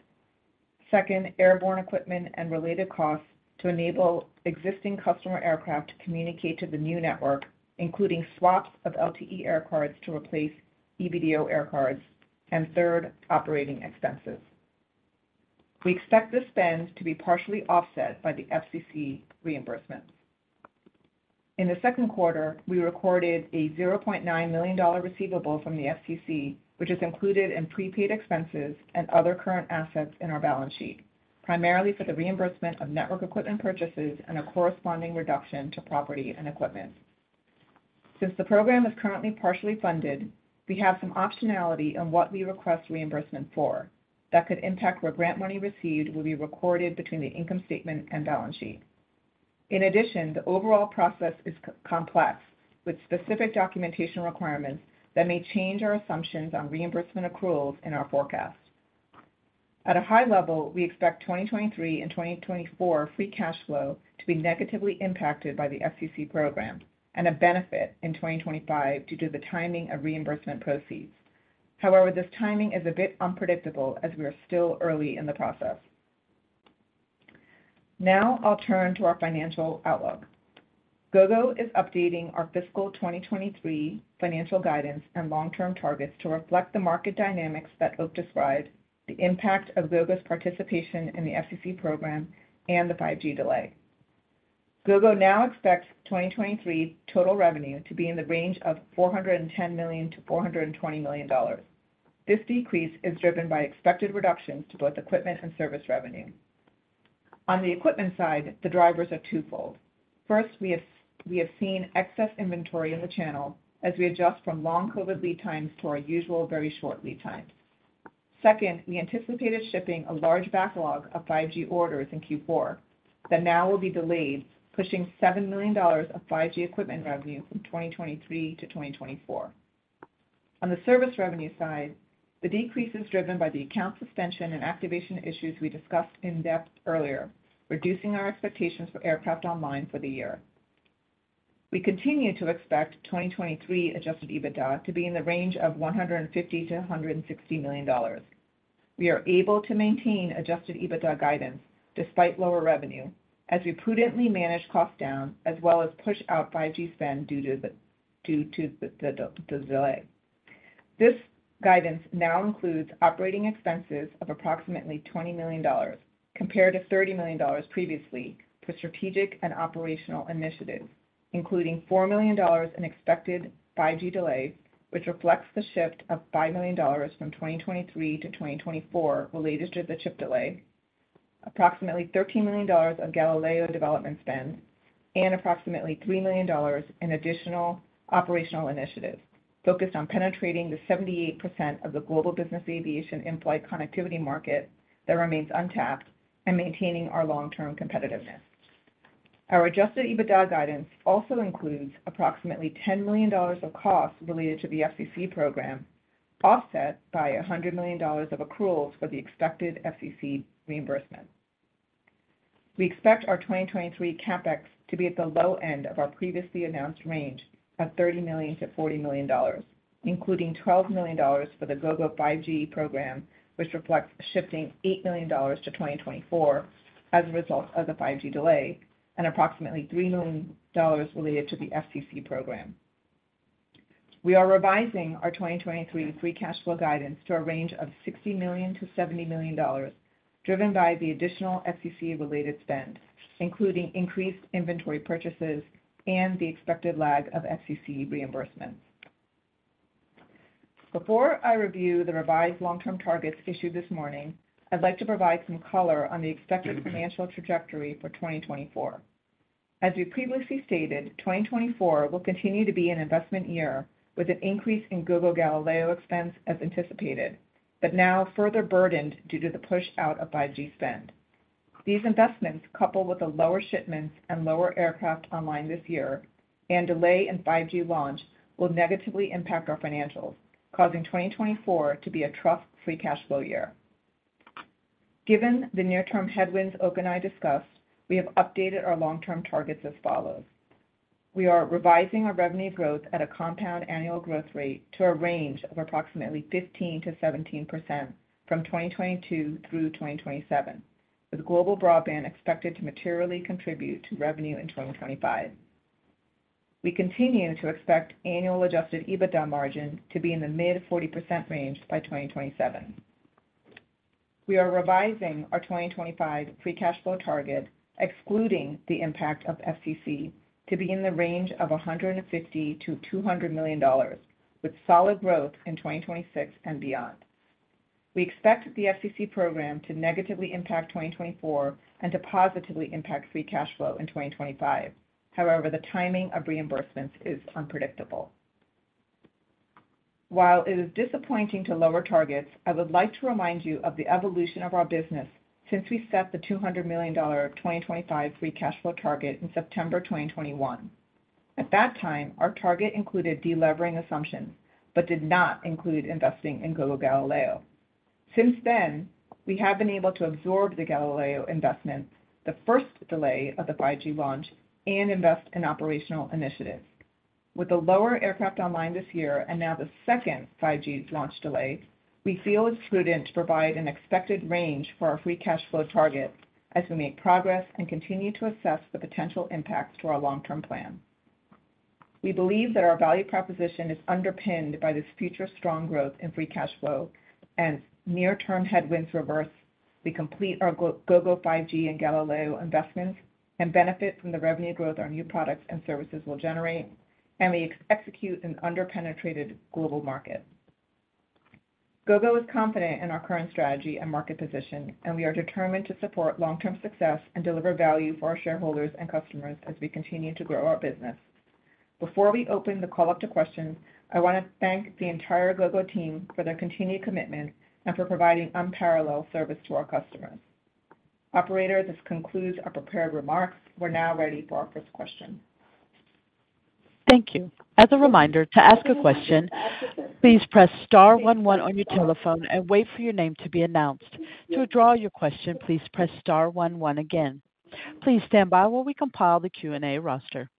Second, airborne equipment and related costs to enable existing customer aircraft to communicate to the new network, including swaps of LTE air cards to replace EVDO air cards. Third, operating expenses. We expect this spend to be partially offset by the FCC reimbursement. In the second quarter, we recorded a $0.9 million receivable from the FCC, which is included in prepaid expenses and other current assets in our balance sheet, primarily for the reimbursement of network equipment purchases and a corresponding reduction to property and equipment. Since the program is currently partially funded, we have some optionality on what we request reimbursement for. That could impact what grant money received will be recorded between the income statement and balance sheet. In addition, the overall process is complex, with specific documentation requirements that may change our assumptions on reimbursement accruals in our forecast. At a high level, we expect 2023 and 2024 free cash flow to be negatively impacted by the FCC program and a benefit in 2025 due to the timing of reimbursement proceeds. However, this timing is a bit unpredictable as we are still early in the process. Now I'll turn to our financial outlook. Gogo is updating our fiscal 2023 financial guidance and long-term targets to reflect the market dynamics that Oak described, the impact of Gogo's participation in the FCC program, and the 5G delay. Gogo now expects 2023 total revenue to be in the range of $410 million-$420 million. This decrease is driven by expected reductions to both equipment and service revenue. On the equipment side, the drivers are twofold. First, we have seen excess inventory in the channel as we adjust from long COVID lead times to our usual very short lead times. Second, we anticipated shipping a large backlog of 5G orders in Q4 that now will be delayed, pushing $7 million of 5G equipment revenue from 2023 to 2024. On the service revenue side, the decrease is driven by the account suspension and activation issues we discussed in depth earlier, reducing our expectations for aircraft online for the year. We continue to expect 2023 Adjusted EBITDA to be in the range of $150 million-$160 million. We are able to maintain Adjusted EBITDA guidance despite lower revenue, as we prudently manage costs down as well as push out 5G spend due to the delay. This guidance now includes operating expenses of approximately $20 million, compared to $30 million previously, for strategic and operational initiatives. Including $4 million in expected 5G delays, which reflects the shift of $5 million from 2023 to 2024 related to the chip delay. Approximately $13 million of Galileo development spend, and approximately $3 million in additional operational initiatives focused on penetrating the 78% of the global business aviation in-flight connectivity market that remains untapped and maintaining our long-term competitiveness. Our Adjusted EBITDA guidance also includes approximately $10 million of costs related to the FCC program, offset by $100 million of accruals for the expected FCC reimbursement. We expect our 2023 CapEx to be at the low end of our previously announced range of $30 million-$40 million, including $12 million for the Gogo 5G program, which reflects shifting $8 million to 2024 as a result of the 5G delay, and approximately $3 million related to the FCC program. We are revising our 2023 free cash flow guidance to a range of $60 million-$70 million, driven by the additional FCC-related spend, including increased inventory purchases and the expected lag of FCC reimbursements. Before I review the revised long-term targets issued this morning, I'd like to provide some color on the expected financial trajectory for 2024. As we previously stated, 2024 will continue to be an investment year, with an increase in Gogo Galileo expense as anticipated, but now further burdened due to the push out of 5G spend. These investments, coupled with the lower shipments and lower aircraft online this year and delay in 5G launch, will negatively impact our financials, causing 2024 to be a tough free cash flow year. Given the near-term headwinds Oak and I discussed, we have updated our long-term targets as follows: We are revising our revenue growth at a compound annual growth rate to a range of approximately 15%-17% from 2022 through 2027, with global broadband expected to materially contribute to revenue in 2025. We continue to expect annual Adjusted EBITDA margin to be in the mid-40% range by 2027. We are revising our 2025 free cash flow target, excluding the impact of FCC, to be in the range of $150 million-$200 million, with solid growth in 2026 and beyond. We expect the FCC program to negatively impact 2024 and to positively impact free cash flow in 2025. The timing of reimbursements is unpredictable. While it is disappointing to lower targets, I would like to remind you of the evolution of our business since we set the $200 million of 2025 free cash flow target in September 2021. At that time, our target included delevering assumptions, but did not include investing in Gogo Galileo. Since then, we have been able to absorb the Galileo investment, the first delay of the 5G launch, and invest in operational initiatives. With the lower aircraft online this year and now the second 5G launch delay, we feel it's prudent to provide an expected range for our free cash flow target as we make progress and continue to assess the potential impacts to our long-term plan. We believe that our value proposition is underpinned by this future strong growth in free cash flow and near-term headwinds reverse. We complete our Gogo 5G and Galileo investments and benefit from the revenue growth our new products and services will generate, and we execute an underpenetrated global market. Gogo is confident in our current strategy and market position, and we are determined to support long-term success and deliver value for our shareholders and customers as we continue to grow our business. Before we open the call up to questions, I want to thank the entire Gogo team for their continued commitment and for providing unparalleled service to our customers. Operator, this concludes our prepared remarks. We're now ready for our first question. Thank you. As a reminder, to ask a question, please press star one one on your telephone and wait for your name to be announced. To withdraw your question, please press star one one again. Please stand by while we compile the Q&A roster.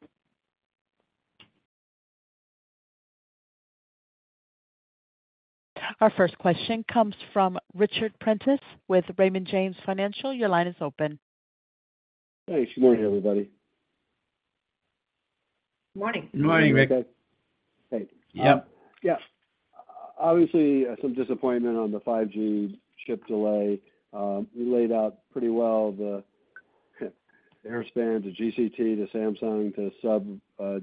Our first question comes from Richard Prentice with Raymond James Financial. Your line is open. Hey, good morning, everybody. Morning. Good morning, Rick. Hey. Yep. Yeah. Obviously, some disappointment on the 5G chip delay. You laid out pretty well the, Airspan, the GCT, the Samsung,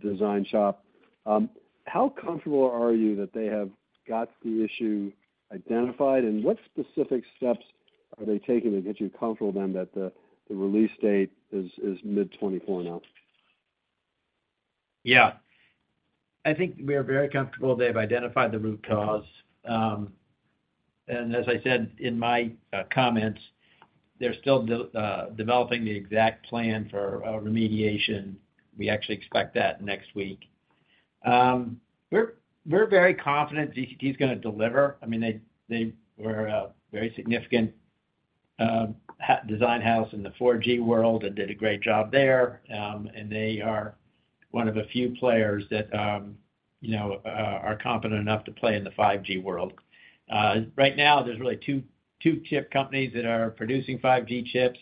uncertain. How comfortable are you that they have got the issue identified, and what specific steps are they taking to get you comfortable then, that the, the release date is, is mid-2024 now? Yeah. I think we are very comfortable they've identified the root cause. As I said in my comments, they're still developing the exact plan for remediation. We actually expect that next week. We're, we're very confident GCT is gonna deliver. I mean, they, they were a very significant design house in the 4G world and did a great job there. They are one of the few players that, you know, are competent enough to play in the 5G world. Right now, there's really two, two chip companies that are producing 5G chips,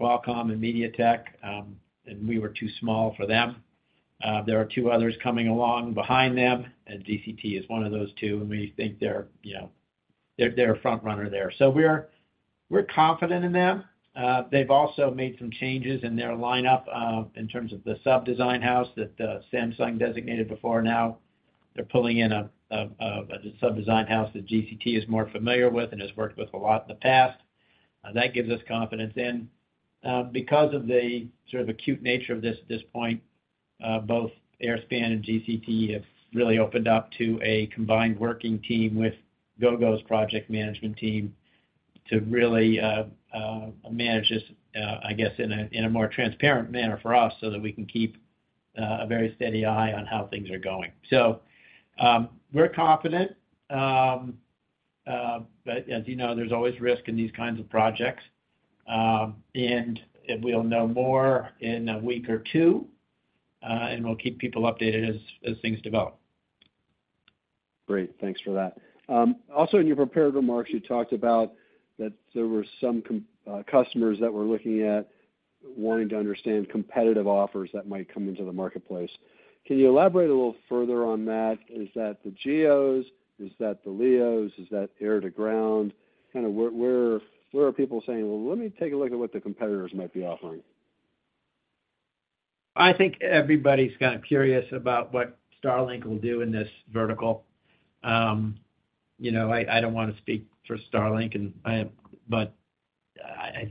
Qualcomm and MediaTek, we were too small for them. There are two others coming along behind them, and GCT is one of those two, and we think they're, you know... they're, they're a front runner there. We're confident in them. They've also made some changes in their lineup, in terms of the sub-design house that Samsung designated before. Now, they're pulling in a sub-design house that GCT is more familiar with and has worked with a lot in the past. That gives us confidence. Because of the sort of acute nature of this, at this point, both Airspan and GCT have really opened up to a combined working team with Gogo's project management team to really manage this, I guess, in a more transparent manner for us, so that we can keep a very steady eye on how things are going. We're confident. As you know, there's always risk in these kinds of projects. And we'll know more in a week or two, and we'll keep people updated as, as things develop. Great. Thanks for that. Also, in your prepared remarks, you talked about that there were some customers that we're looking at, wanting to understand competitive offers that might come into the marketplace. Can you elaborate a little further on that? Is that the GEOs? Is that the LEOs? Is that air-to-ground? Where, where, where are people saying, "Well, let me take a look at what the competitors might be offering? I think everybody's kind of curious about what Starlink will do in this vertical. you know, I don't wanna speak for Starlink. I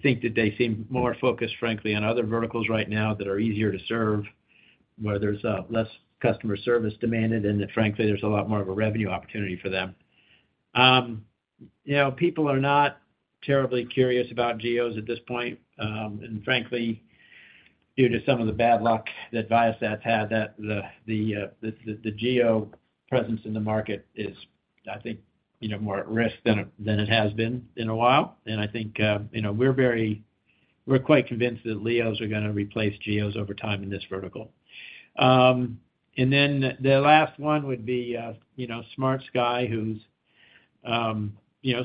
think that they seem more focused, frankly, on other verticals right now that are easier to serve, where there's less customer service demanded, and that, frankly, there's a lot more of a revenue opportunity for them. you know, people are not terribly curious about GEOs at this point. frankly, due to some of the bad luck that Viasat's had, that the, the, the GEO presence in the market is, I think, you know, more at risk than it, than it has been in a while. I think, you know, we're quite convinced that LEOs are gonna replace GEOs over time in this vertical. The last one would be SmartSky Networks, who's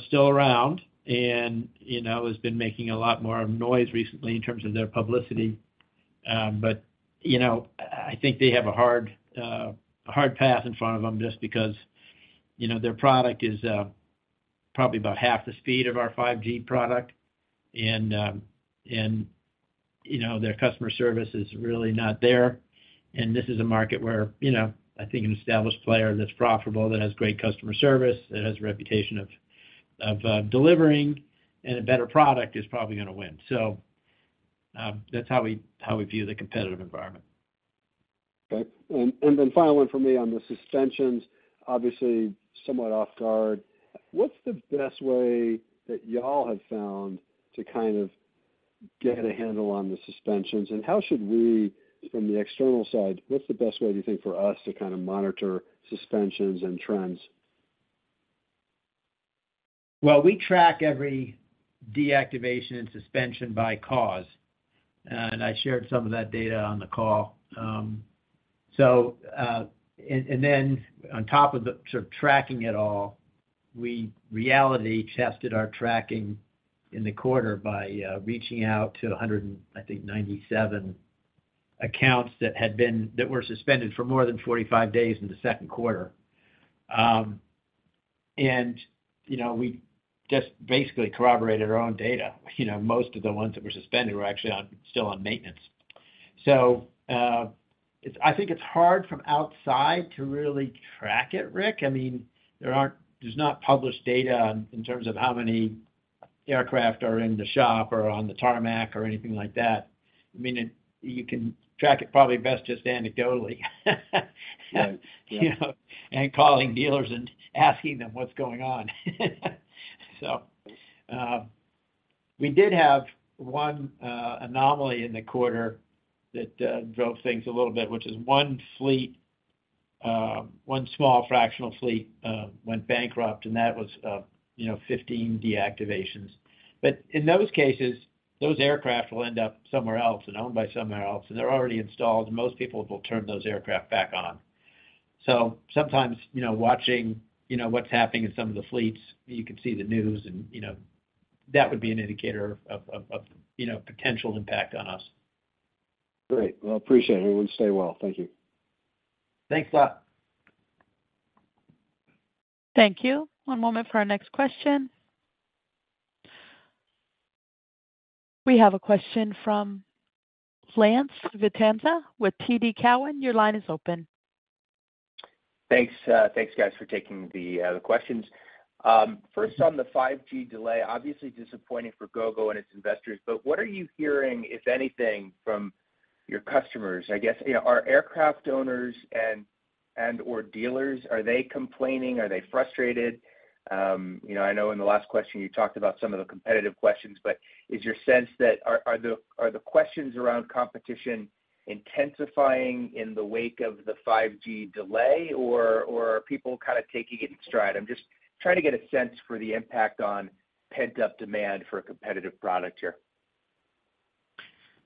still around and has been making a lot more noise recently in terms of their publicity. I think they have a hard path in front of them just because their product is probably about half the speed of our 5G product. Their customer service is really not there. This is a market where I think an established player that's profitable, that has great customer service, that has a reputation of, of delivering and a better product, is probably gonna win. That's how we, how we view the competitive environment. Okay. Then final one for me on the suspensions, obviously, somewhat off guard. What's the best way that y'all have found to kind of get a handle on the suspensions? How should we, from the external side, what's the best way, you think, for us to kind of monitor suspensions and trends? Well, we track every deactivation and suspension by cause, and I shared some of that data on the call. Then on top of the sort of tracking it all, we reality-tested our tracking in the quarter by reaching out to 100, I think, 97 accounts that were suspended for more than 45 days in the second quarter. You know, we just basically corroborated our own data. You know, most of the ones that were suspended were actually on, still on maintenance. It's, I think it's hard from outside to really track it, Rick. I mean, there aren't, there's not published data in terms of how many aircraft are in the shop or on the tarmac or anything like that. I mean, it, you can track it probably best just anecdotally. Right. Yeah. You know, calling dealers and asking them what's going on. We did have one anomaly in the quarter that drove things a little bit, which is one fleet, one small fractional fleet went bankrupt, and that was, you know, 15 deactivations. In those cases, those aircraft will end up somewhere else and owned by somewhere else, and they're already installed, most people will turn those aircraft back on. Sometimes, you know, watching, you know, what's happening in some of the fleets, you can see the news and, you know, that would be an indicator of, you know, potential impact on us. Great. Well, appreciate it. We'll stay well. Thank you. Thanks a lot. Thank you. One moment for our next question. We have a question from Lance Vitanza with TD Cowen. Your line is open. Thanks, thanks, guys, for taking the questions. First, on the 5G delay, obviously disappointing for Gogo and its investors, what are you hearing, if anything, from your customers? I guess, you know, are aircraft owners and, and/or dealers, are they complaining? Are they frustrated? You know, I know in the last question you talked about some of the competitive questions, is your sense that the questions around competition intensifying in the wake of the 5G delay, or are people kind of taking it in stride? I'm just trying to get a sense for the impact on pent-up demand for a competitive product here.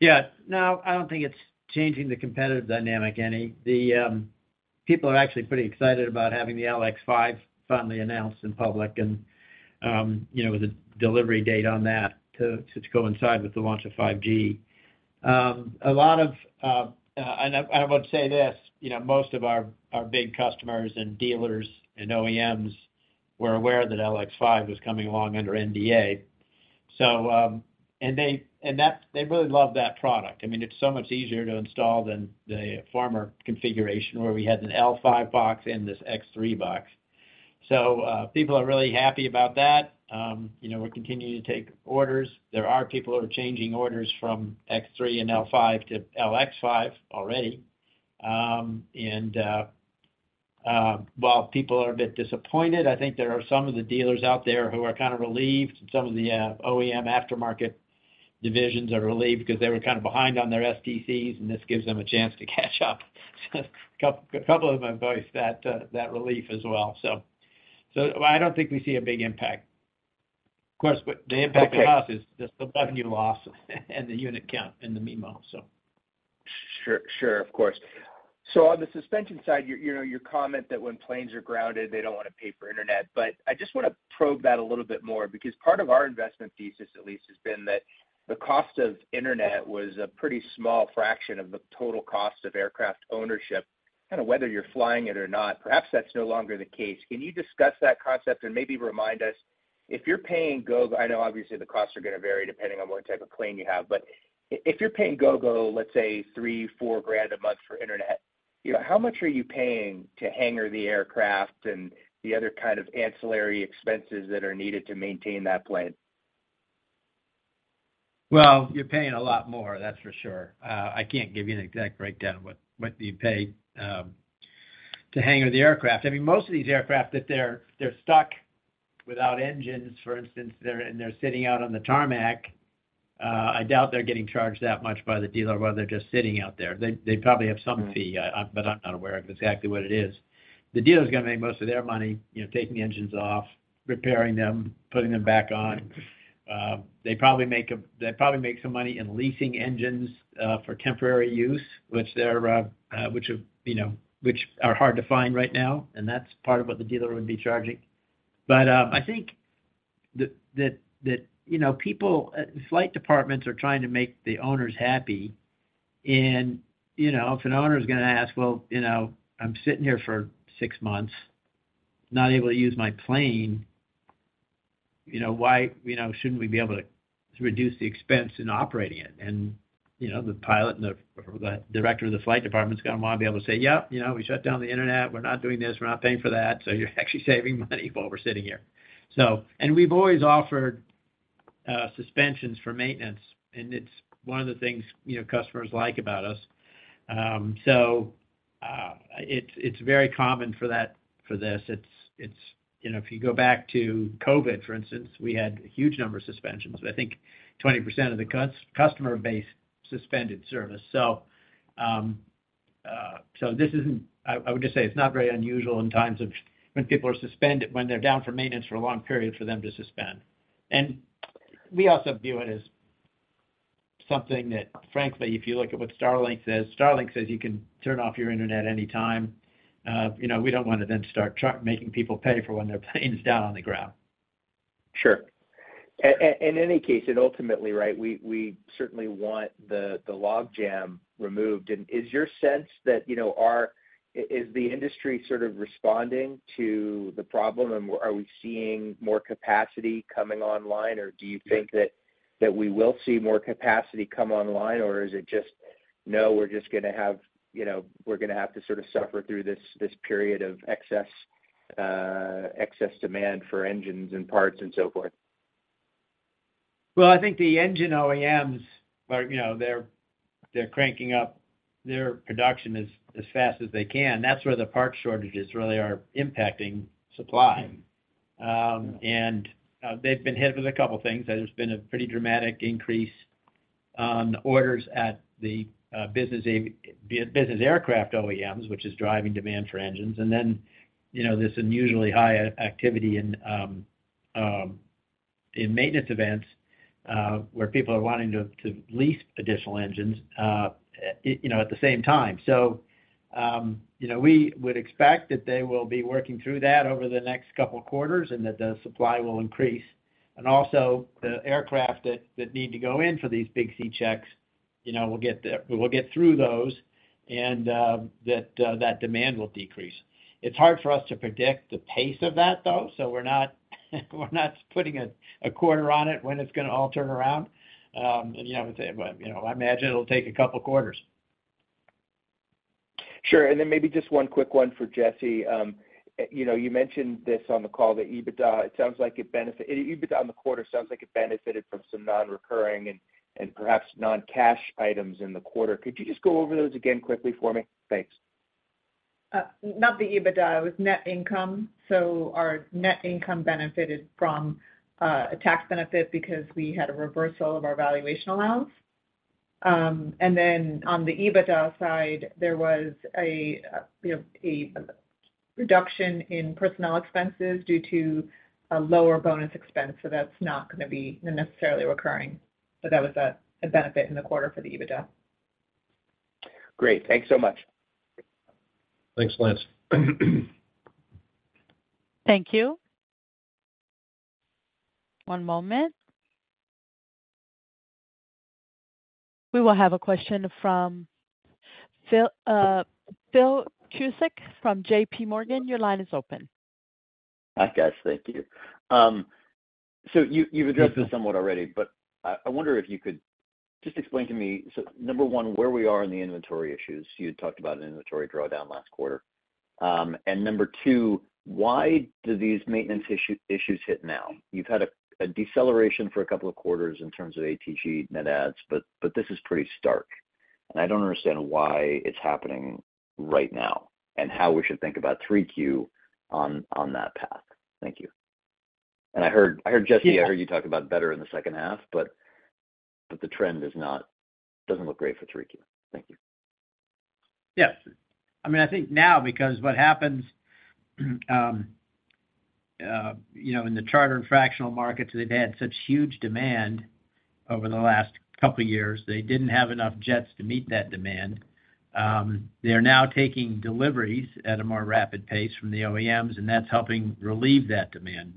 Yeah. No, I don't think it's changing the competitive dynamic, any. The people are actually pretty excited about having the LX5 finally announced in public and, you know, with a delivery date on that to, to go inside with the launch of 5G. I would say this, you know, most of our big customers and dealers and OEMs were aware that LX5 was coming along under NDA. They really love that product. I mean, it's so much easier to install than the former configuration, where we had an L5 box and this X3 box. People are really happy about that. You know, we're continuing to take orders. There are people who are changing orders from X3 and L5 to LX5 already. While people are a bit disappointed, I think there are some of the dealers out there who are kind of relieved, and some of the OEM aftermarket divisions are relieved because they were kind of behind on their SDCs, and this gives them a chance to catch up. A couple of them voice that relief as well. I don't think we see a big impact. Of course, but the impact to us- Okay. is just the revenue loss and the unit count in the memo, so. Sure, sure. Of course. On the suspension side, your, you know, your comment that when planes are grounded, they don't want to pay for internet. I just want to probe that a little bit more, because part of our investment thesis, at least, has been that the cost of internet was a pretty small fraction of the total cost of aircraft ownership, kind of whether you're flying it or not. Perhaps that's no longer the case. Can you discuss that concept and maybe remind us, if you're paying Gogo, I know obviously the costs are going to vary depending on what type of plane you have, but if you're paying Gogo, let's say $3,000-$4,000 a month for internet, you know, how much are you paying to hangar the aircraft and the other kind of ancillary expenses that are needed to maintain that plane? Well, you're paying a lot more, that's for sure. I can't give you an exact breakdown what, what you pay to hangar the aircraft. I mean, most of these aircraft, if they're stuck without engines, for instance, and they're sitting out on the tarmac, I doubt they're getting charged that much by the dealer while they're just sitting out there. They, they probably have some fee, but I'm not aware of exactly what it is. The dealer is going to make most of their money, you know, taking engines off, repairing them, putting them back on. They probably make some money in leasing engines for temporary use, which, you know, which are hard to find right now, and that's part of what the dealer would be charging. I think that, you know, people, flight departments are trying to make the owners happy. You know, if an owner is going to ask, "Well, you know, I'm sitting here for six months, not able to use my plane, you know, why, you know, shouldn't we be able to, to reduce the expense in operating it?" You know, the pilot and or the director of the flight department is going to want to be able to say, "Yep, you know, we shut down the internet. We're not doing this, we're not paying for that, so you're actually saving money while we're sitting here." We've always offered suspensions for maintenance, and it's one of the things, you know, customers like about us. It's, it's very common for that, for this. You know, if you go back to COVID, for instance, we had a huge number of suspensions. I think 20% of the customer base suspended service. I would just say, it's not very unusual in times of when people are suspended, when they're down for maintenance for a long period, for them to suspend. We also view it as something that, frankly, if you look at what Starlink says, Starlink says you can turn off your internet anytime. You know, we don't want to then start making people pay for when their plane is down on the ground. Sure. In any case, ultimately, right, we certainly want the logjam removed. Is your sense that, you know, is the industry sort of responding to the problem, are we seeing more capacity coming online, or do you think- Yeah... that, that we will see more capacity come online? Is it just, "No, we're just going to have, you know, we're going to have to sort of suffer through this, this period of excess, excess demand for engines and parts and so forth? Well, I think the engine OEMs are, you know, they're, they're cranking up their production as, as fast as they can. That's where the parts shortages really are impacting supply. They've been hit with a couple of things. There's been a pretty dramatic increase on orders at the business aircraft OEMs, which is driving demand for engines. You know, this unusually high activity in maintenance events, where people are wanting to, to lease additional engines, you know, at the same time. You know, we would expect that they will be working through that over the next couple of quarters and that the supply will increase. Also, the aircraft that, that need to go in for these big C-checks, you know, will get through those and that demand will decrease. It's hard for us to predict the pace of that, though, so we're not, we're not putting a, a quarter on it when it's going to all turn around. You know, you know, I imagine it'll take two quarters. Sure. Then maybe just one quick one for Jesse. You know, you mentioned this on the call, the EBITDA. EBITDA on the quarter sounds like it benefited from some non-recurring and, and perhaps non-cash items in the quarter. Could you just go over those again quickly for me? Thanks. Not the EBITDA. It was net income. Our net income benefited from a tax benefit because we had a reversal of our valuation allowance. On the EBITDA side, there was a, you know, a reduction in personnel expenses due to a lower bonus expense, so that's not going to be necessarily recurring, but that was a benefit in the quarter for the EBITDA. Great. Thanks so much. Thanks, Lance. Thank you. One moment. We will have a question from Phil, Phil Cusick from J.P. Morgan. Your line is open. Hi, guys. Thank you. You-you've addressed this somewhat already, but I, I wonder if you could just explain to me, number one, where we are in the inventory issues. You had talked about an inventory drawdown last quarter. Number two, why do these maintenance issue, issues hit now? You've had a, a deceleration for a couple of quarters in terms of ATG net adds, this is pretty stark, and I don't understand why it's happening right now and how we should think about 3Q on, on that path. Thank you. I heard, I heard, Jesse, I heard you talk about better in the second half, the trend is not-- doesn't look great for 3Q. Thank you. Yes. I mean, I think now, because what happens, you know, in the charter and fractional markets, they've had such huge demand over the last couple of years. They didn't have enough jets to meet that demand. They are now taking deliveries at a more rapid pace from the OEMs, and that's helping relieve that demand.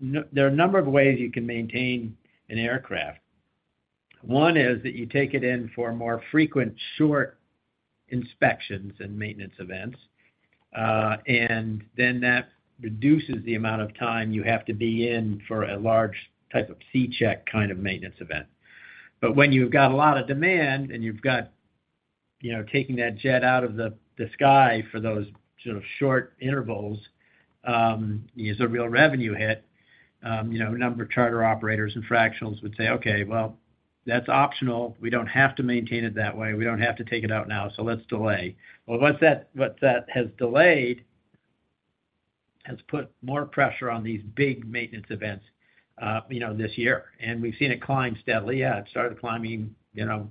There are a number of ways you can maintain an aircraft. One is that you take it in for more frequent, short inspections and maintenance events, and then that reduces the amount of time you have to be in for a large type of C-check kind of maintenance event. When you've got a lot of demand and you've got, you know, taking that jet out of the, the sky for those sort of short intervals, is a real revenue hit, you know, a number of charter operators and fractionals would say, "Okay, well, that's optional. We don't have to maintain it that way. We don't have to take it out now, so let's delay." What that, what that has delayed, has put more pressure on these big maintenance events, you know, this year, and we've seen it climb steadily. It started climbing, you know,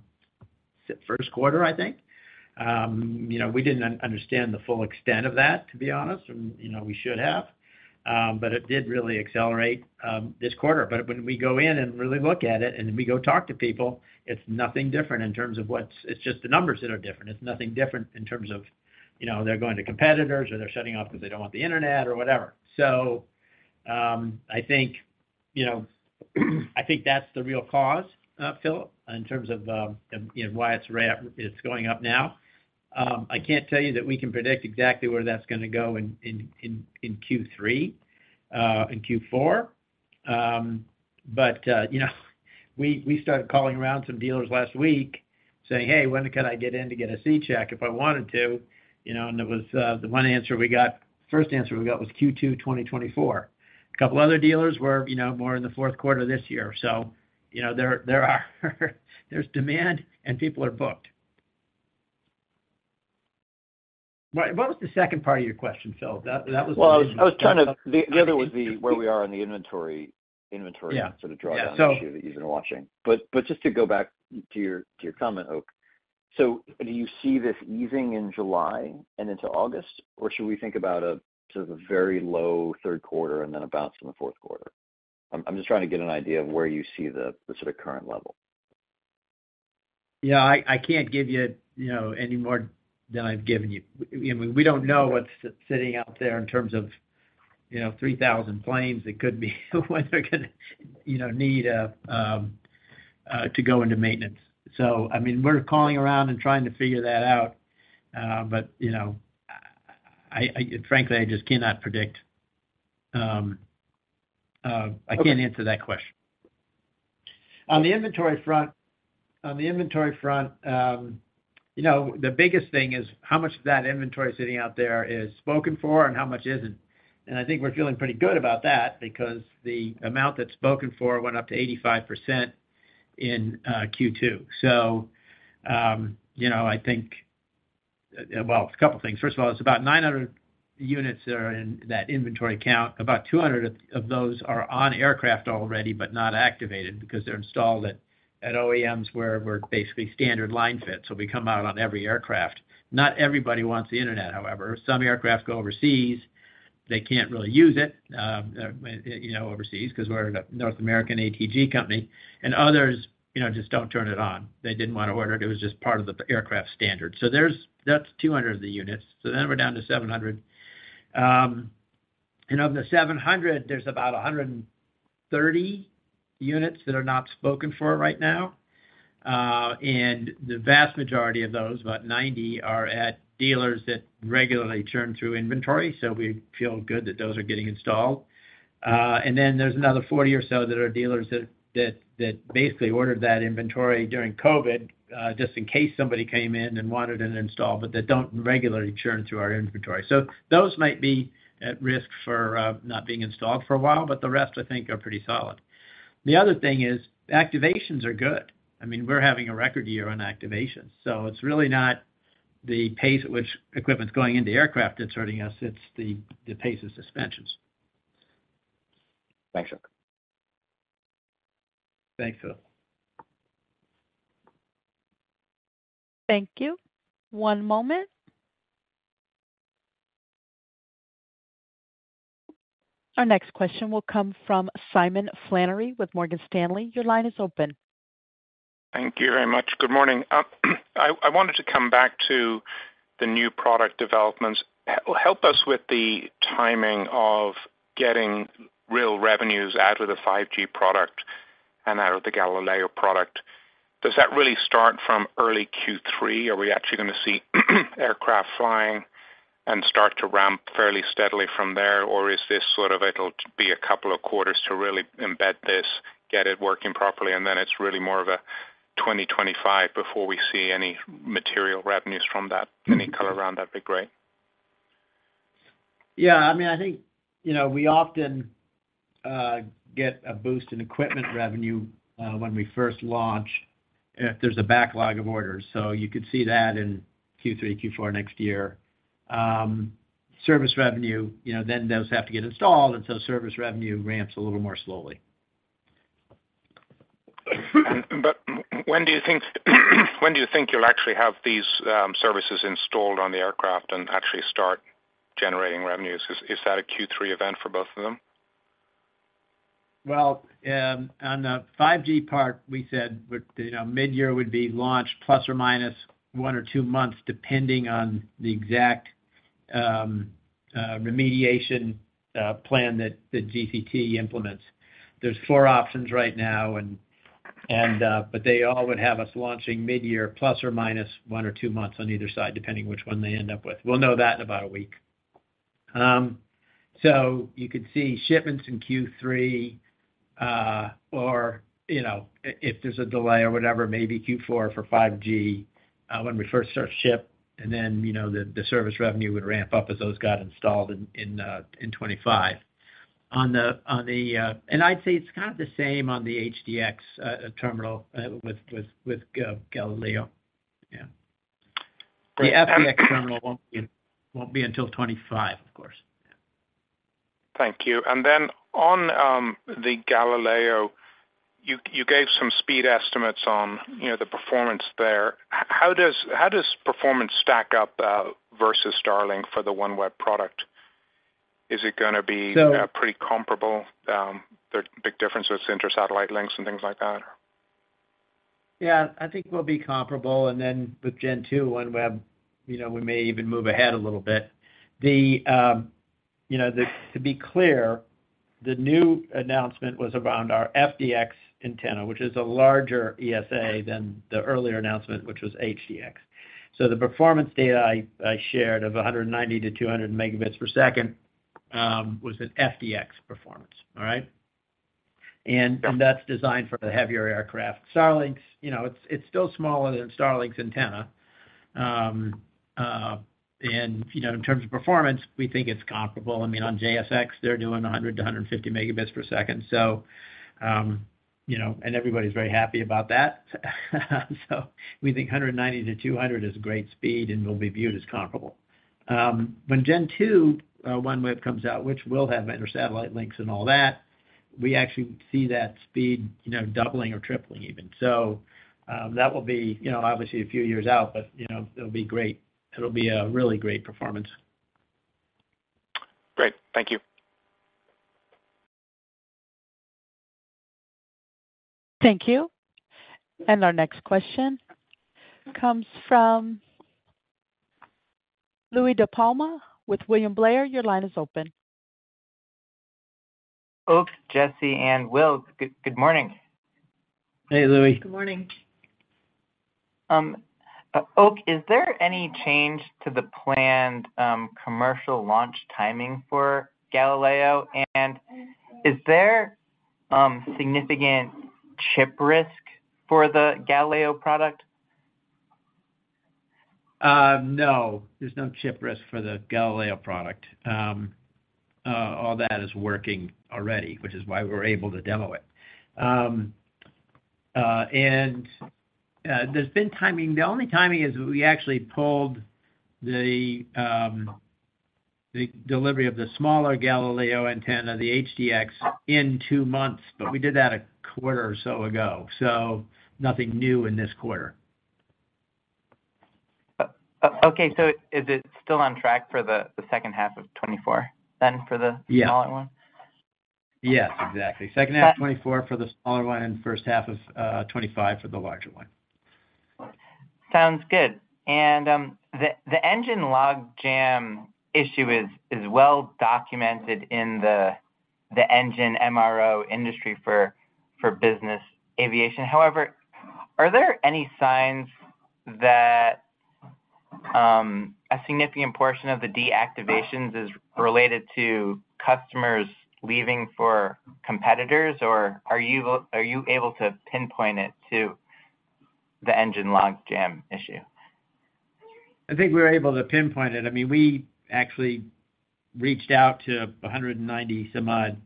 first quarter, I think. You know, we didn't understand the full extent of that, to be honest, and, you know, we should have, but it did really accelerate this quarter. When we go in and really look at it and we go talk to people, it's nothing different in terms of what's... It's just the numbers that are different. It's nothing different in terms of, you know, they're going to competitors, or they're shutting off because they don't want the internet or whatever. I think, you know, I think that's the real cause, Phil, in terms of, you know, why it's going up now. I can't tell you that we can predict exactly where that's going to go in Q3, in Q4. You know, we, we started calling around some dealers last week saying, "Hey, when can I get in to get a C-check if I wanted to?" You know, it was, the one answer we got, first answer we got was Q2 2024. A couple of other dealers were, you know, more in the fourth quarter this year. You know, there's demand and people are booked. What, what was the second part of your question, Phil? That, that was- Well, I was trying to. The other would be where we are in the inventory. Yeah. sort of drawdown issue that you've been watching. just to go back to your, to your comment, Oak. Do you see this easing in July and into August, or should we think about a sort of a very low third quarter and then a bounce in the fourth quarter? I'm, I'm just trying to get an idea of where you see the, the sort of current level. Yeah, I, I can't give you, you know, any more than I've given you. We, we don't know what's sitting out there in terms of, you know, 3,000 planes that could be, whether they're going to, you know, need to go into maintenance. I mean, we're calling around and trying to figure that out, but, you know, frankly, I just cannot predict, I can't answer that question. On the inventory front, on the inventory front, you know, the biggest thing is how much of that inventory sitting out there is spoken for and how much isn't. I think we're feeling pretty good about that because the amount that's spoken for went up to 85% in Q2. You know, I think, well, a couple of things. First of all, it's about 900 units that are in that inventory count. About 200 of those are on aircraft already, but not activated because they're installed at OEMs, where we're basically standard line fit, so we come out on every aircraft. Not everybody wants the internet, however. Some aircraft go overseas, they can't really use it, you know, overseas, because we're a North American ATG company, and others, you know, just don't turn it on. They didn't want to order it. It was just part of the aircraft standard. That's 200 of the units, then we're down to 700. Of the 700, there's about 130 units that are not spoken for right now, and the vast majority of those, about 90, are at dealers that regularly turn through inventory, so we feel good that those are getting installed. Then there's another 40 or so that are dealers that ordered that inventory during COVID, just in case somebody came in and wanted it installed, but they don't regularly churn through our inventory. Those might be at risk for not being installed for a while, but the rest, I think, are pretty solid. The other thing is, activations are good. I mean, we're having a record year on activations, it's really not the pace at which equipment's going into aircraft that's hurting us, it's the pace of suspensions. Thanks, Oak. Thanks, Phil. Thank you. One moment. Our next question will come from Simon Flannery with Morgan Stanley. Your line is open. Thank you very much. Good morning. I wanted to come back to the new product developments. Help us with the timing of getting real revenues out of the 5G product and out of the Galileo product. Does that really start from early Q3? Are we actually gonna see aircraft flying and start to ramp fairly steadily from there? Or is this sort of it'll be a couple of quarters to really embed this, get it working properly, and then it's really more of a 2025 before we see any material revenues from that? Any color around that'd be great. Yeah, I mean, I think, you know, we often get a boost in equipment revenue when we first launch, if there's a backlog of orders. You could see that in Q3, Q4 next year. Service revenue, you know, then those have to get installed, and so service revenue ramps a little more slowly. When do you think, when do you think you'll actually have these services installed on the aircraft and actually start generating revenues? Is, is that a Q3 event for both of them? Well, on the 5G part, we said, you know, midyear would be launched, plus or minus one or two months, depending on the exact remediation plan that GCT implements. There's four options right now. They all would have us launching midyear, plus or minus one or two months on either side, depending which one they end up with. We'll know that in about a week. So you could see shipments in Q3, or, you know, if there's a delay or whatever, maybe Q4 for 5G when we first start to ship, and then, you know, the service revenue would ramp up as those got installed in 2025. On the, on the, and I'd say it's kind of the same on the HDX terminal with Gogo Galileo. Yeah. Great. The FDX terminal won't be, won't be until 2025, of course. Thank you. Then on the Galileo, you, you gave some speed estimates on, you know, the performance there. How does, how does performance stack up versus Starlink for the OneWeb product? Is it gonna be- So- Pretty comparable? There are big differences in intersatellite links and things like that. Yeah, I think we'll be comparable. Then with Gen 2 OneWeb, you know, we may even move ahead a little bit. The, you know, to be clear, the new announcement was around our FDX antenna, which is a larger ESA than the earlier announcement, which was HDX. The performance data I, I shared of 190-200 megabits per second was an FDX performance. All right? That's designed for the heavier aircraft. Starlink's, you know, it's, it's still smaller than Starlink's antenna. You know, in terms of performance, we think it's comparable. I mean, on JSX, they're doing 100-150 megabits per second. You know, everybody's very happy about that. We think 190-200 is a great speed and will be viewed as comparable. When Gen 2 OneWeb comes out, which will have intersatellite links and all that, we actually see that speed, you know, doubling or tripling even. That will be, you know, obviously a few years out, but, you know, it'll be great. It'll be a really great performance. Great. Thank you. Thank you. Our next question comes from Louis DePalma with William Blair. Your line is open. Oak, Jesse, and Will, good, good morning. Hey, Louis. Good morning. Oak, is there any change to the planned, commercial launch timing for Galileo? Is there, significant chip risk for the Galileo product? No, there's no chip risk for the Galileo product. All that is working already, which is why we're able to demo it. There's been timing. The only timing is we actually pulled the delivery of the smaller Galileo antenna, the HDX, in two months, but we did that a quarter or so ago, so nothing new in this quarter. Okay, is it still on track for the, the second half of 2024 then, for the? Yeah... smaller one? Yes, exactly. Got- Second half of 2024 for the smaller one, and first half of 2025 for the larger one. Sounds good. The engine logjam issue is well documented in the engine MRO industry for business aviation. However, are there any signs that a significant portion of the deactivations is related to customers leaving for competitors, or are you able to pinpoint it to the engine logjam issue? I think we're able to pinpoint it. I mean, we actually reached out to 190 some odd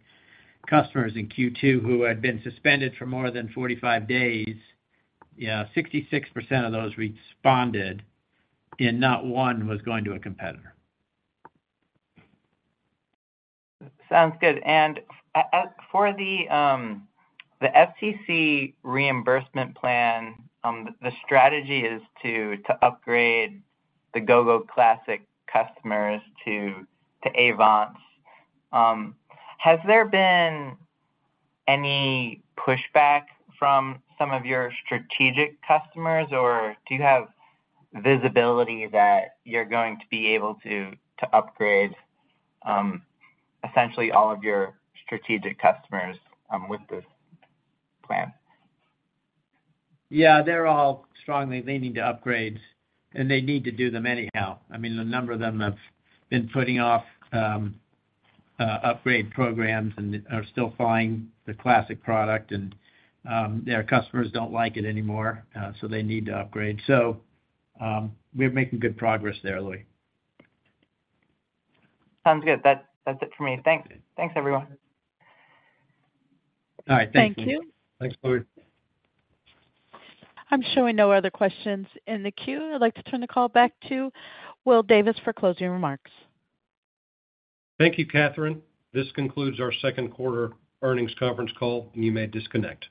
customers in Q2 who had been suspended for more than 45 days. Yeah, 66% of those responded, and not one was going to a competitor. Sounds good. For the FCC reimbursement plan, the strategy is to upgrade the Gogo Classic customers to AVANCE. Has there been any pushback from some of your strategic customers, or do you have visibility that you're going to be able to upgrade essentially all of your strategic customers with this plan? Yeah, they're all strongly leaning to upgrades, and they need to do them anyhow. I mean, a number of them have been putting off, upgrade programs and are still flying the Classic product, and their customers don't like it anymore, so they need to upgrade. We're making good progress there, Louis. Sounds good. That, that's it for me. Thanks. Thanks, everyone. All right. Thank you. Thank you. Thanks, Louis. I'm showing no other questions in the queue. I'd like to turn the call back to Will Davis for closing remarks. Thank you, Catherine. This concludes our second quarter earnings conference call. You may disconnect.